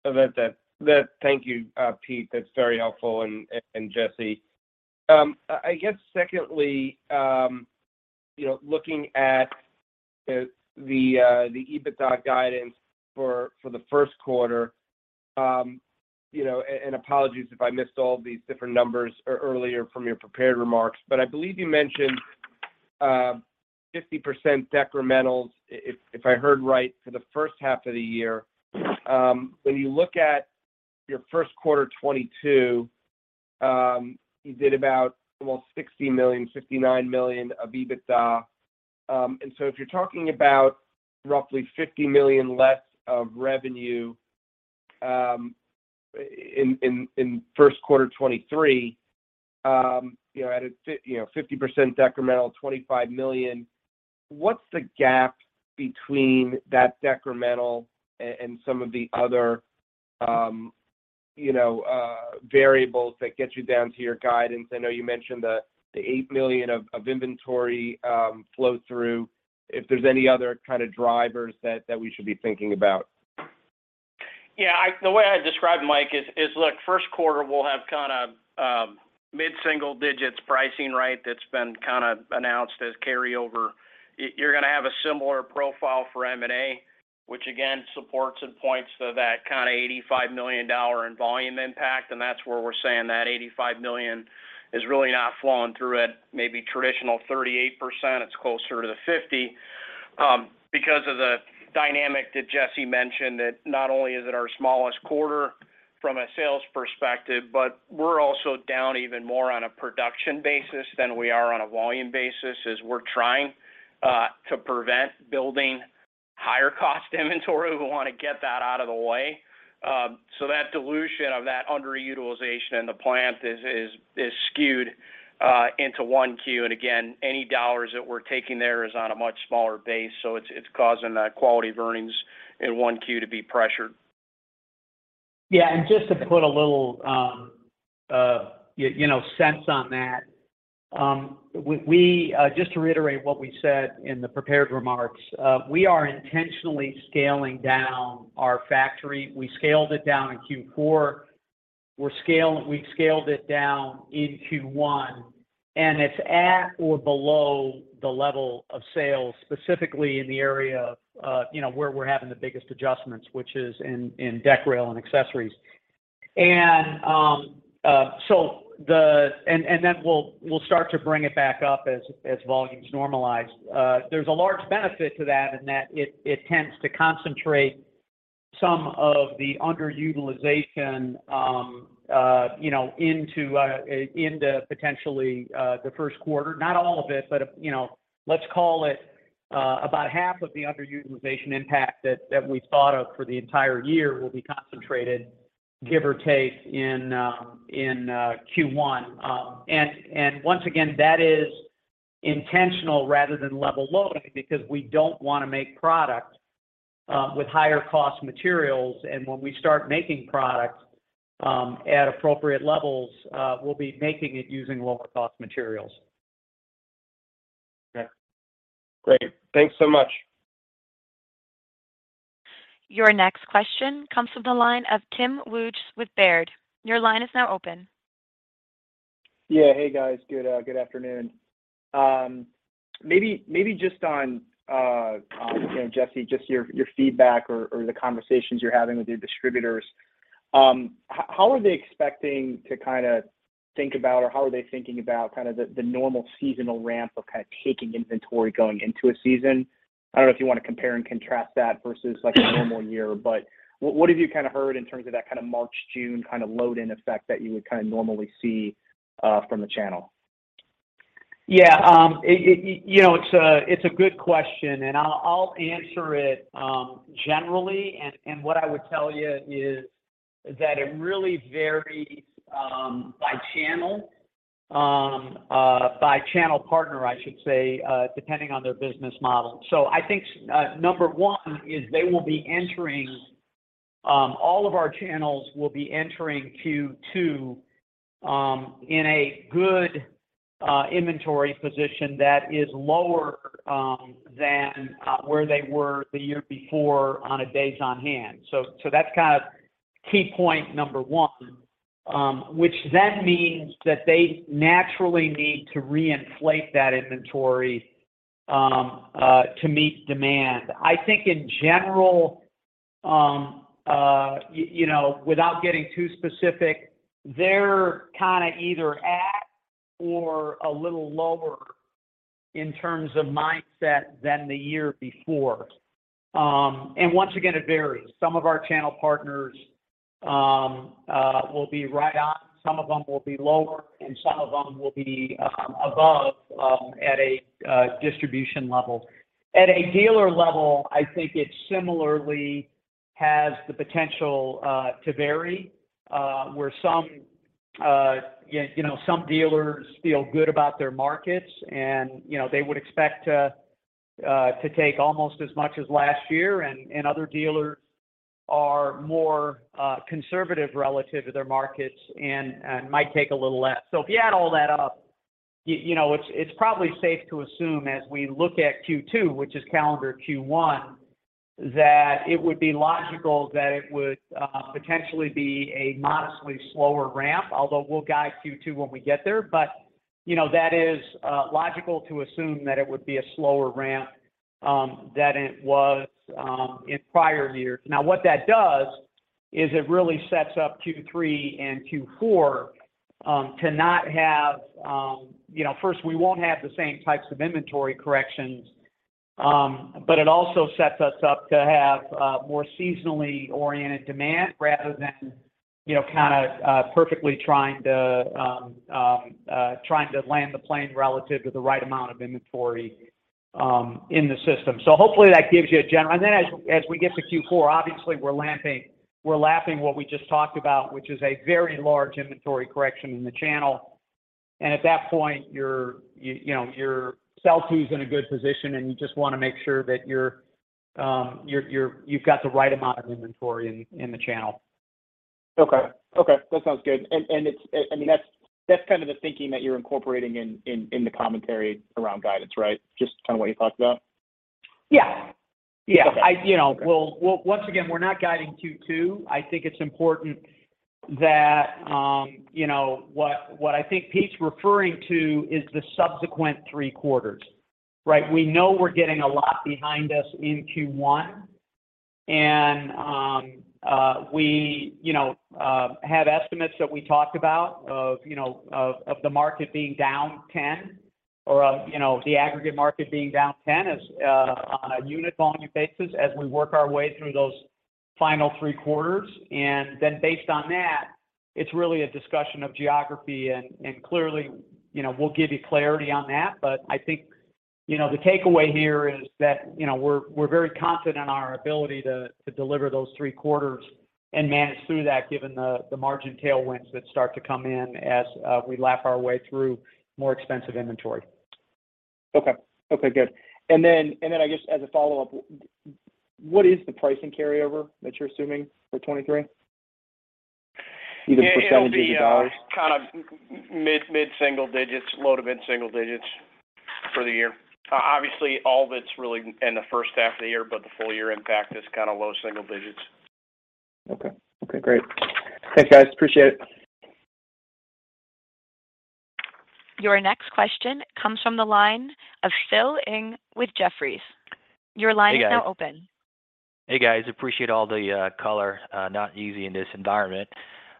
Thank you, Pete. That's very helpful. Jesse. I guess secondly, you know, looking at the EBITDA guidance for the first quarter, you know, and apologies if I missed all these different numbers earlier from your prepared remarks. I believe you mentioned 50% decrementals, if I heard right, for the first half of the year. When you look at your first quarter 2022, you did about, well, $60 million, $59 million of EBITDA. If you're talking about roughly $50 million less of revenue, in first quarter 2023, you know, at a you know, 50% decremental, $25 million, what's the gap between that decremental and some of the other, you know, variables that get you down to your guidance? I know you mentioned the $8 million of inventory flow-through. If there's any other kind of drivers that we should be thinking about. Yeah. The way I describe, Mike, is look, first quarter we'll have kinda mid-single digits pricing, right? That's been kinda announced as carryover. You're gonna have a similar profile for M&A, which again, supports and points to that kinda $85 million in volume impact. That's where we're saying that $85 million is really not flowing through at maybe traditional 38%. It's closer to the 50% because of the dynamic that Jesse mentioned, that not only is it our smallest quarter from a sales perspective, but we're also down even more on a production basis than we are on a volume basis, as we're trying to prevent building higher cost inventory. We wanna get that out of the way. That dilution of that underutilization in the plant is skewed into 1Q. Again, any dollars that we're taking there is on a much smaller base, so it's causing the quality of earnings in 1Q to be pressured. Yeah. Just to put a little, you know, sense on that, just to reiterate what we said in the prepared remarks, we are intentionally scaling down our factory. We scaled it down in Q4. We've scaled it down in Q1. It's at or below the level of sales, specifically in the area of, you know, where we're having the biggest adjustments, which is in deck, rail, and accessories. Then we'll start to bring it back up as volumes normalize. There's a large benefit to that in that it tends to concentrate some of the underutilization, you know, into potentially the first quarter. Not all of it, but, you know, let's call it, about half of the underutilization impact that we thought of for the entire year will be concentrated, give or take, in Q1. Once again, that is intentional rather than level loading because we don't wanna make product with higher cost materials. When we start making product, at appropriate levels, we'll be making it using lower cost materials. Okay. Great. Thanks so much. Your next question comes from the line of Tim Wojs with Baird. Your line is now open. Yeah. Hey, guys. Good, good afternoon. Maybe just on, you know, Jesse, just your feedback or the conversations you're having with your distributors, how are they expecting to kinda think about, or how are they thinking about kind of the normal seasonal ramp of kinda taking inventory going into a season? I don't know if you wanna compare and contrast that versus like a normal year. What have you kinda heard in terms of that kind of March, June kinda load in effect that you would kinda normally see from the channel? Yeah. You know, it's a, it's a good question, I'll answer it generally. What I would tell you is that it really varies by channel, by channel partner, I should say, depending on their business model. I think number one is they will be entering, all of our channels will be entering Q2, in a good inventory position that is lower than where they were the year before on a days on hand. That's kind of key point number one, which then means that they naturally need to re-inflate that inventory to meet demand. I think in general, you know, without getting too specific, they're kind of either at or a little lower in terms of mindset than the year before. Once again, it varies. Some of our channel partners will be right on, some of them will be lower, and some of them will be above at a distribution level. At a dealer level, I think it similarly has the potential to vary, where some, you know, some dealers feel good about their markets and, you know, they would expect to take almost as much as last year. Other dealers are more conservative relative to their markets and might take a little less. If you add all that up, you know, it's probably safe to assume as we look at Q2, which is calendar Q1, that it would be logical that it would potentially be a modestly slower ramp, although we'll guide Q2 when we get there. You know, that is logical to assume that it would be a slower ramp than it was in prior years. What that does is it really sets up Q3 and Q4 to not have, you know. First, we won't have the same types of inventory corrections, but it also sets us up to have more seasonally oriented demand rather than, you know, kinda perfectly trying to land the plane relative to the right amount of inventory in the system. Hopefully that gives you a general-- Then as we get to Q4, obviously we're lapping what we just talked about, which is a very large inventory correction in the channel. At that point, you know, your sell-through's in a good position, and you just wanna make sure that you've got the right amount of inventory in the channel. Okay. Okay. That sounds good. And that's kind of the thinking that you're incorporating in the commentary around guidance, right? Just kinda what you talked about. Yeah. Yeah. Okay. you know, we'll Once again, we're not guiding Q2. I think it's important that, you know, What I think Pete's referring to is the subsequent three quarters, right? We know we're getting a lot behind us in Q1 and we, you know, have estimates that we talked about of, you know, of the market being down 10 or, you know, the aggregate market being down 10 as on a unit volume basis as we work our way through those final three quarters. Based on that, it's really a discussion of geography and clearly, you know, we'll give you clarity on that. I think, you know, the takeaway here is that, you know, we're very confident in our ability to deliver those three quarters and manage through that given the margin tailwinds that start to come in as we lap our way through more expensive inventory. Okay. Okay, good. I guess as a follow-up, what is the pricing carryover that you're assuming for 2023? Either percentages or dollars. It'll be kind of mid-single digits, low to mid-single digits for the year. Obviously, all of it's really in the first half of the year, but the full year impact is kinda low single digits. Okay. Okay, great. Thanks, guys. Appreciate it. Your next question comes from the line of Phil Ng with Jefferies. Your line is now open. Hey, guys. Appreciate all the color. Not easy in this environment.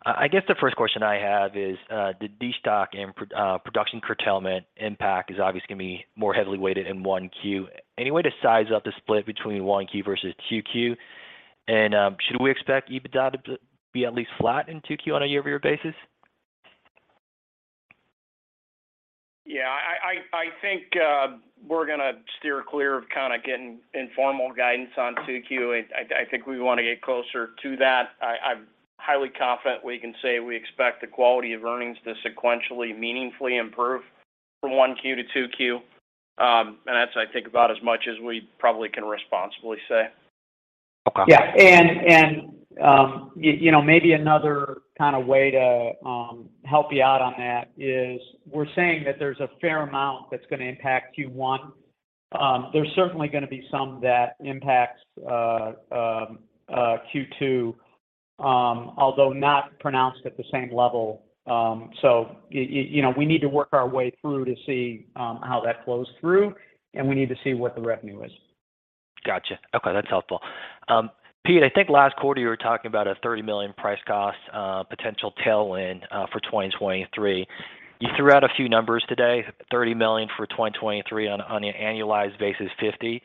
I guess the first question I have is the destock and production curtailment impact is obviously gonna be more heavily weighted in 1Q. Any way to size up the split between 1Q versus 2Q? Should we expect EBITDA to be at least flat in 2Q on a year-over-year basis? Yeah. I think we're gonna steer clear of kinda getting informal guidance on 2Q. I think we wanna get closer to that. I'm highly confident we can say we expect the quality of earnings to sequentially meaningfully improve from 1Q to 2Q. That's I think about as much as we probably can responsibly say. Okay. Yeah. You know, maybe another kinda way to help you out on that is we're saying that there's a fair amount that's gonna impact Q1. There's certainly gonna be some that impacts Q2, although not pronounced at the same level. You know, we need to work our way through to see how that flows through, and we need to see what the revenue is. Gotcha. Okay, that's helpful. Pete, I think last quarter you were talking about a $30 million price cost, potential tailwind, for 2023. You threw out a few numbers today, $30 million for 2023 on an annualized basis, $50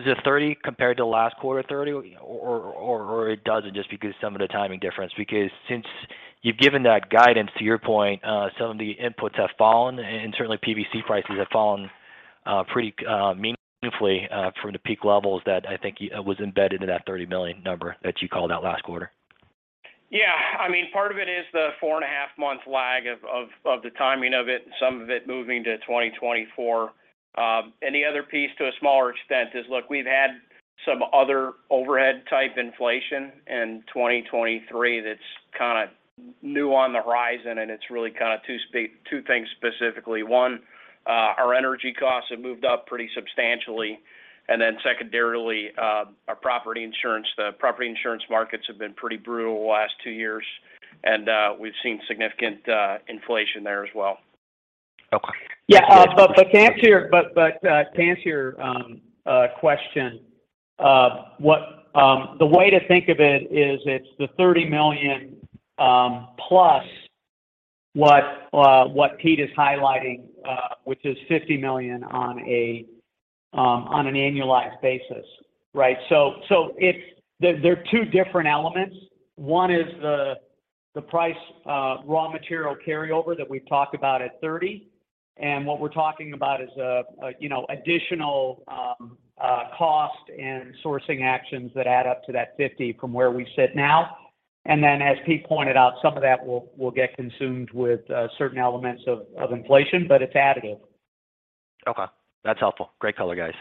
million. Does the $30 million compared to last quarter $30 million or it doesn't just because some of the timing difference? Because since you've given that guidance, to your point, some of the inputs have fallen, and certainly PVC prices have fallen, pretty, meaningfully, from the peak levels that I think was embedded in that $30 million number that you called out last quarter. Yeah. I mean, part of it is the 4.5 month lag of the timing of it, Some of it moving to 2024. The other piece to a smaller extent is, look, we've had some other overhead type inflation in 2023 that's kinda new on the horizon, and it's really kinda two things specifically. One, our energy costs have moved up pretty substantially. Secondarily, our property insurance. The property insurance markets have been pretty brutal the last two years, and we've seen significant inflation there as well. Okay. To answer your question, the way to think of it is it's the $30 million plus what Pete is highlighting, which is $50 million on an annualized basis. Right? There are two different elements. One is the price raw material carryover that we've talked about at $30 million. What we're talking about is, you know, additional cost and sourcing actions that add up to that $50 million from where we sit now. As Pete pointed out, some of that will get consumed with certain elements of inflation, but it's additive. Okay. That's helpful. Great color, guys.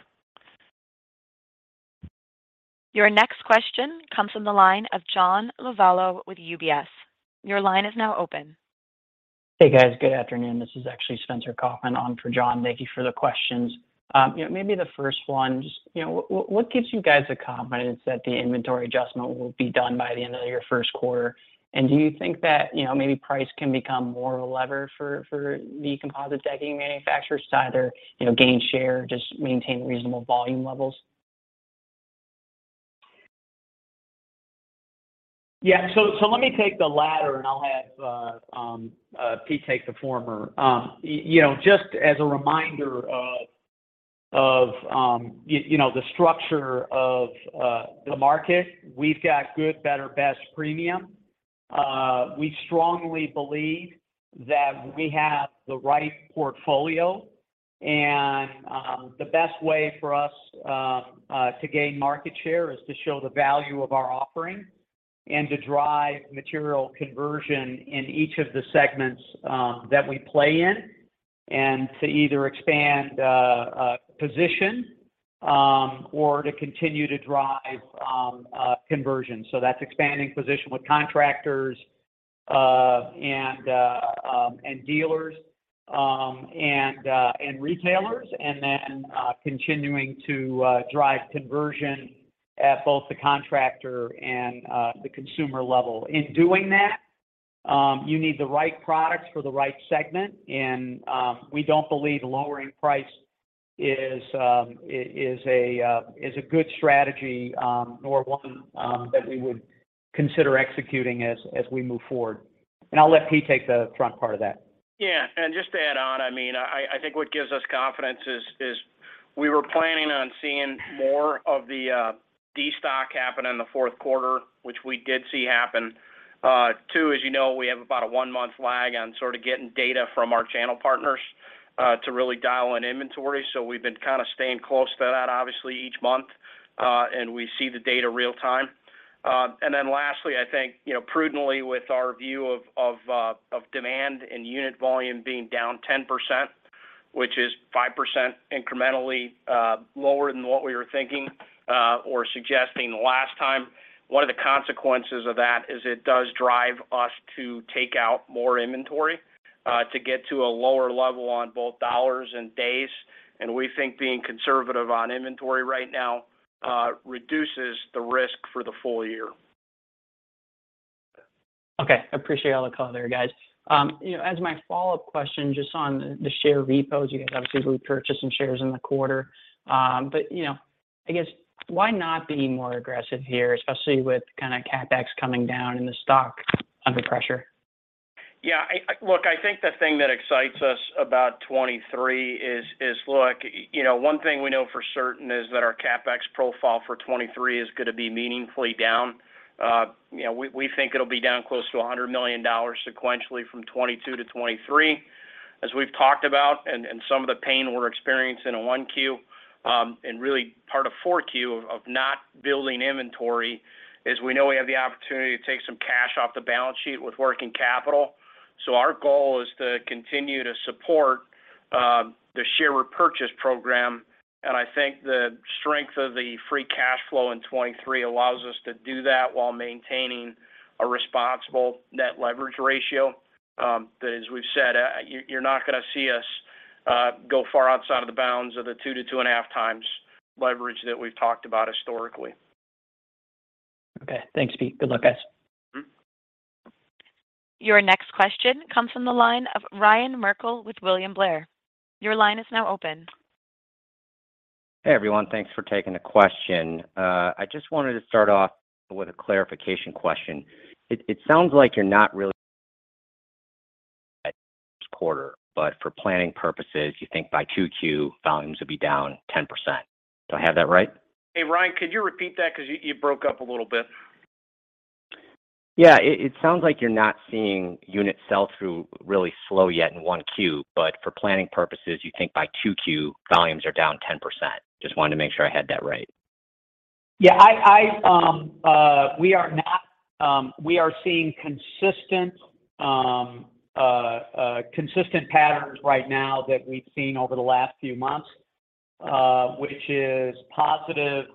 Your next question comes from the line of John Lovallo with UBS. Your line is now open. Hey, guys. Good afternoon. This is actually Spencer Kaufman on for John. Thank you for the questions. You know, maybe the first one. Just, you know, what gives you guys the confidence that the inventory adjustment will be done by the end of your first quarter? Do you think that, you know, maybe price can become more of a lever for the composite decking manufacturer side or, you know, gain share, just maintain reasonable volume levels? Yeah. Let me take the latter, and I'll have Pete take the former. You know, just as a reminder of, you know, the structure of the market, we've got good, better, best premium. We strongly believe that we have the right portfolio. The best way for us to gain market share is to show the value of our offering and to drive material conversion in each of the segments that we play in, and to either expand a position or to continue to drive conversion. That's expanding position with contractors, and dealers, and retailers, continuing to drive conversion at both the contractor and the consumer level. In doing that, you need the right products for the right segment, and we don't believe lowering price is a good strategy, nor one, that we would consider executing as we move forward. I'll let Pete take the front part of that. Yeah. Just to add on, I mean, I think what gives us confidence is we were planning on seeing more of the destock happen in the fourth quarter, which we did see happen. Two, as you know, we have about a one-month lag on sort of getting data from our channel partners, to really dial in inventory, so we've been kinda staying close to that obviously each month, and we see the data real time. Lastly, I think, you know, prudently with our view of demand and unit volume being down 10%, which is 5% incrementally lower than what we were thinking or suggesting last time. One of the consequences of that is it does drive us to take out more inventory, to get to a lower level on both dollars and days. We think being conservative on inventory right now, reduces the risk for the full year. I appreciate all the color there, guys. You know, as my follow-up question just on the share repos. You guys obviously repurchased some shares in the quarter. You know, I guess why not be more aggressive here, especially with kinda CapEx coming down and the stock under pressure? Yeah. Look, I think the thing that excites us about 2023 is look, you know, one thing we know for certain is that our CapEx profile for 2023 is gonna be meaningfully down. You know, we think it'll be down close to $100 million sequentially from 2022 to 2023. As we've talked about and some of the pain we're experiencing in 1Q, and really part of 4Q of not building inventory is we know we have the opportunity to take some cash off the balance sheet with working capital. Our goal is to continue to support the share repurchase program. I think the strength of the free cash flow in 2023 allows us to do that while maintaining a responsible net leverage ratio, that as we've said, you're not gonna see us go far outside of the bounds of the 2x-2.5x leverage that we've talked about historically. Okay. Thanks, Pete. Good luck, guys. Mm-hmm. Your next question comes from the line of Ryan Merkel with William Blair. Your line is now open. Hey, everyone. Thanks for taking the question. I just wanted to start off with a clarification question. It sounds like you're not really this quarter, but for planning purposes, you think by 2Q, volumes will be down 10%. Do I have that right? Hey, Ryan, could you repeat that? 'Cause you broke up a little bit. Yeah. It sounds like you're not seeing unit sell-through really slow yet in 1Q, but for planning purposes, you think by 2Q, volumes are down 10%. Just wanted to make sure I had that right. Yeah. We are seeing consistent patterns right now that we've seen over the last few months, which is positive,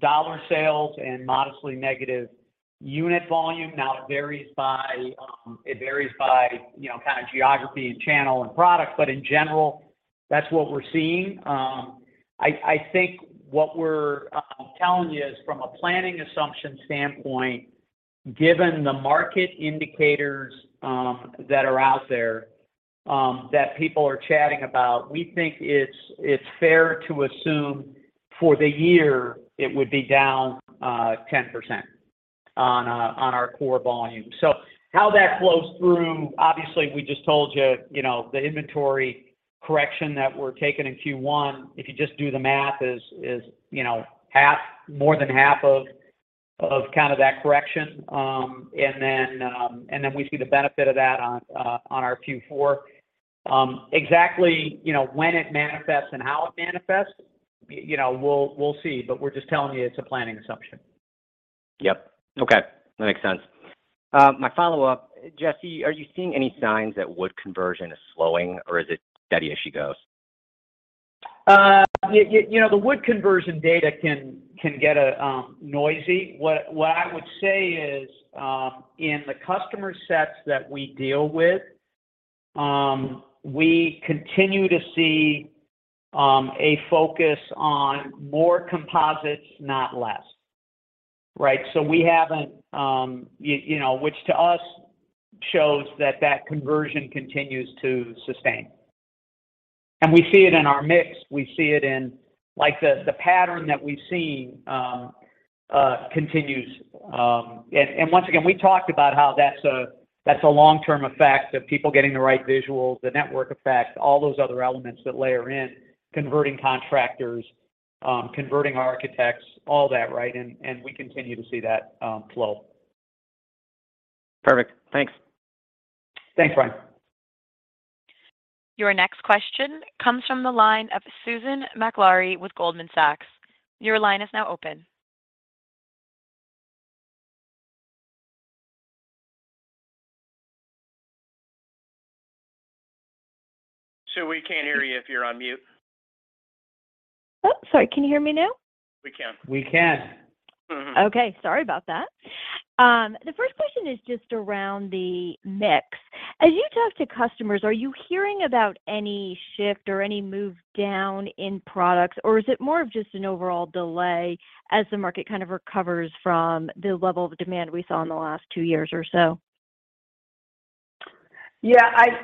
dollar sales and modestly negative unit volume. It varies by, you know, kinda geography and channel and product. In general, that's what we're seeing. I think what we're telling you is from a planning assumption standpoint, given the market indicators that are out there, that people are chatting about, we think it's fair to assume for the year it would be down 10% on our core volume. How that flows through, obviously, we just told you know, the inventory correction that we're taking in Q1, if you just do the math is, you know, half, more than half of kinda that correction. And then, and then we see the benefit of that on our Q4. Exactly, you know, when it manifests and how it manifests, you know, we'll see. But we're just telling you it's a planning assumption. Yep. Okay. That makes sense. My follow-up. Jesse, are you seeing any signs that wood conversion is slowing, or is it steady as she goes? You know, the wood conversion data can get noisy. What I would say is, in the customer sets that we deal with, we continue to see a focus on more composites, not less, right? We haven't, you know, which to us shows that that conversion continues to sustain. We see it in our mix. We see it in, like, the pattern that we've seen continues. And once again, we talked about how that's a, that's a long-term effect of people getting the right visuals, the network effects, all those other elements that layer in. Converting contractors, converting architects, all that, right? We continue to see that flow. Perfect. Thanks. Thanks, Ryan. Your next question comes from the line of Susan Maklari with Goldman Sachs. Your line is now open. Sue, we can't hear you if you're on mute. Oh, sorry. Can you hear me now? We can. We can. Mm-hmm. Sorry about that. The first question is just around the mix. As you talk to customers, are you hearing about any shift or any move down in products, or is it more of just an overall delay as the market kind of recovers from the level of demand we saw in the last two years or so? Yeah. As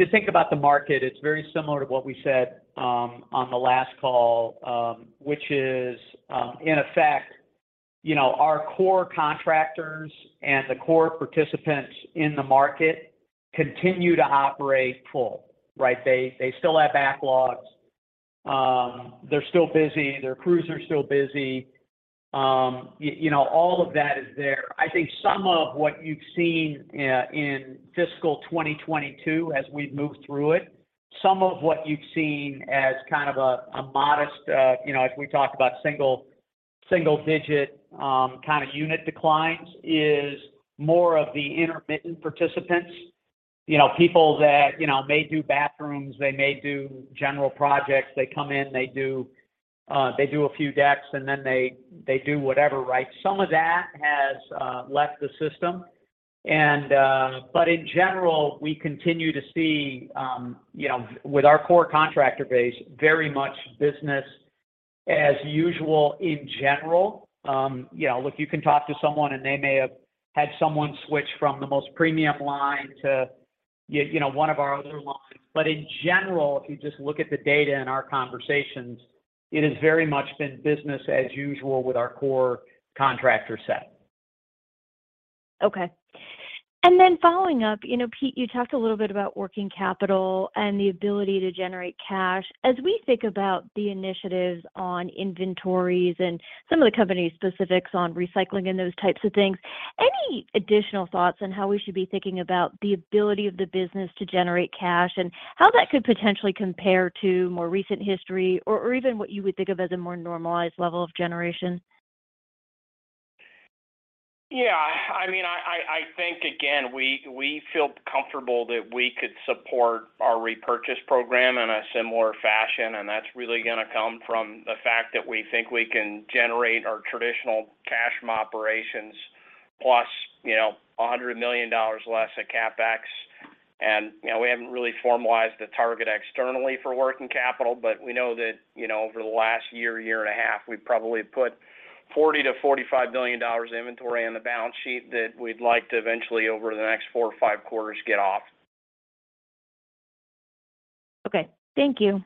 you think about the market, it's very similar to what we said on the last call, which is in effect, you know, our core contractors and the core participants in the market continue to operate full, right? They still have backlogs. They're still busy. Their crews are still busy. You know, all of that is there. I think some of what you've seen in fiscal 2022 as we've moved through it, some of what you've seen as kind of a modest, you know, if we talk about single-digit, kinda unit declines is more of the intermittent participants. You know, people that, you know, may do bathrooms, they may do general projects. They come in, they do a few decks, and then they do whatever, right? Some of that has left the system. But in general, we continue to see, you know, with our core contractor base, very much business as usual in general. You know, look, you can talk to someone, and they may have had someone switch from the most premium line to you know, one of our other lines. In general, if you just look at the data and our conversations, it has very much been business as usual with our core contractor set. Okay. Following up, you know, Pete, you talked a little bit about working capital and the ability to generate cash. As we think about the initiatives on inventories and some of the company specifics on recycling and those types of things, any additional thoughts on how we should be thinking about the ability of the business to generate cash and how that could potentially compare to more recent history or even what you would think of as a more normalized level of generation? Yeah. I mean, I think again, we feel comfortable that we could support our repurchase program in a similar fashion. That's really gonna come from the fact that we think we can generate our traditional cash from operations plus, you know, $100 million less at CapEx. You know, we haven't really formalized the target externally for working capital, but we know that, you know, over the last year and a half, we've probably put $40 billion-$45 billion inventory on the balance sheet that we'd like to eventually, over the next four or five quarters, get off. Okay. Thank you.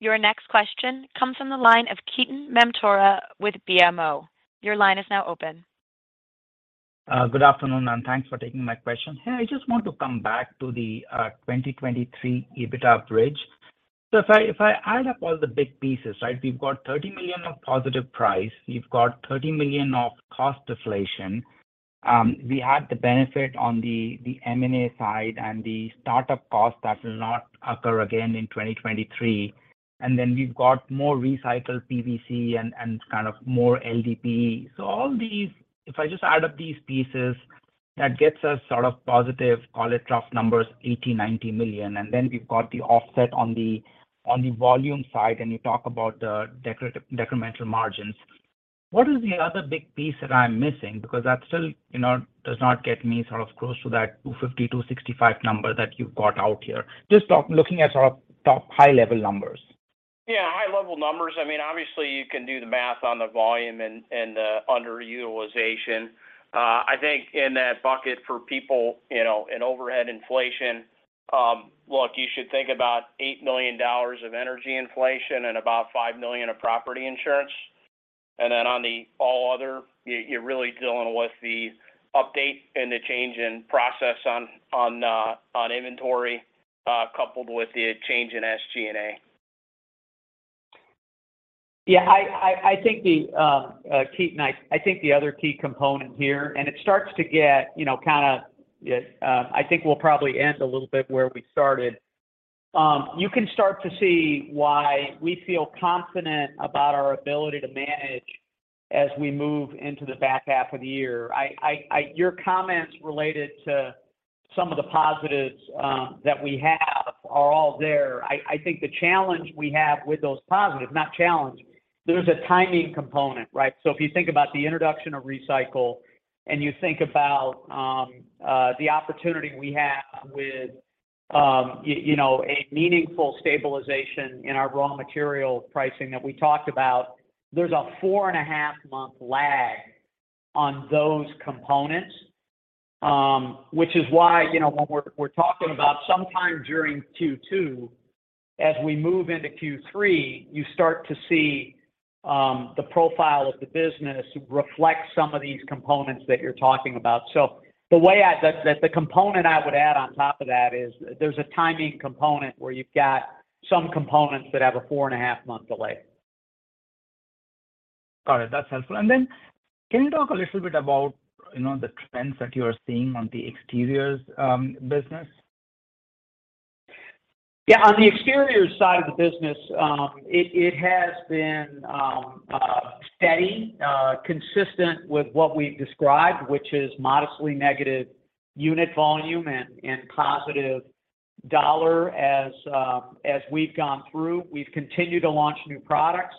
Your next question comes from the line of Ketan Mamtora with BMO. Your line is now open. Good afternoon, thanks for taking my question. I just want to come back to the 2023 EBITDA bridge. If I add up all the big pieces, right, we've got $30 million of positive price. We've got $30 million of cost deflation. We had the benefit on the M&A side and the startup cost that will not occur again in 2023. We've got more recycled PVC and kind of more LDP. All these, if I just add up these pieces, that gets us sort of positive, call it rough numbers, $80 million-$90 million. We've got the offset on the volume side, and you talk about the decremental margins. What is the other big piece that I'm missing? That still, you know, does not get me sort of close to that $250-$265 number that you've got out here. Looking at sort of top high level numbers. Yeah, high level numbers, I mean, obviously you can do the math on the volume and the underutilization. I think in that bucket for people, you know, in overhead inflation, look, you should think about $8 million of energy inflation and about $5 million of property insurance. On the all other, you're really dealing with the update and the change in process on inventory, coupled with the change in SG&A. Yeah. I think the Ketan, I think the other key component here, it starts to get, you know, kinda, I think we'll probably end a little bit where we started. You can start to see why we feel confident about our ability to manage as we move into the back half of the year. Your comments related to some of the positives that we have are all there. I think the challenge we have with those positives, not challenge, there's a timing component, right? If you think about the introduction of recycle, and you think about the opportunity we have with, you know, a meaningful stabilization in our raw material pricing that we talked about, there's a four and a half month lag on those components. Which is why, you know, when we're talking about sometime during Q2, as we move into Q3, you start to see the profile of the business reflect some of these components that you're talking about. The way the component I would add on top of that is there's a timing component where you've got some components that have a four and a half month delay. Got it. That's helpful. Then can you talk a little bit about, you know, the trends that you're seeing on the Exteriors business? Yeah. On the exterior side of the business, it has been steady, consistent with what we've described, which is modestly negative unit volume and positive dollar as we've gone through. We've continued to launch new products.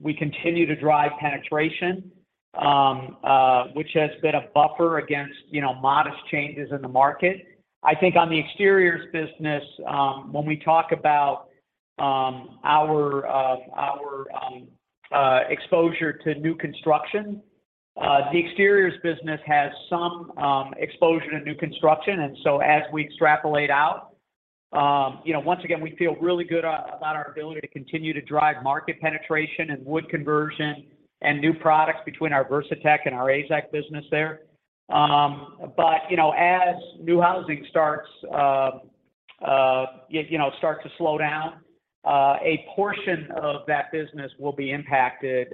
We continue to drive penetration, which has been a buffer against, you know, modest changes in the market. I think on the exteriors business, when we talk about our exposure to new construction, the exteriors business has some exposure to new construction. As we extrapolate out, you know, once again, we feel really good about our ability to continue to drive market penetration and wood conversion and new products between our Versatex and our AZEK business there. you know, as new housing starts, you know, starts to slow down, a portion of that business will be impacted.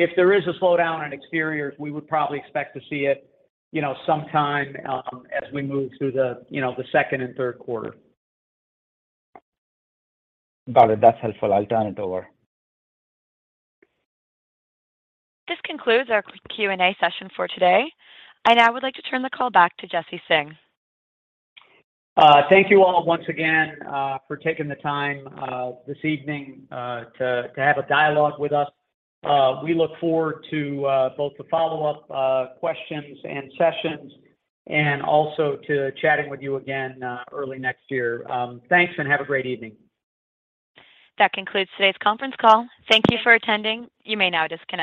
If there is a slowdown in exteriors, we would probably expect to see it, you know, sometime, as we move through the, you know, the second and third quarter. Got it. That's helpful. I'll turn it over. This concludes our Q&A session for today. I now would like to turn the call back to Jesse Singh. Thank you all once again for taking the time this evening to have a dialogue with us. We look forward to both the follow-up questions and sessions and also to chatting with you again early next year. Thanks and have a great evening. That concludes today's conference call. Thank you for attending. You may now disconnect.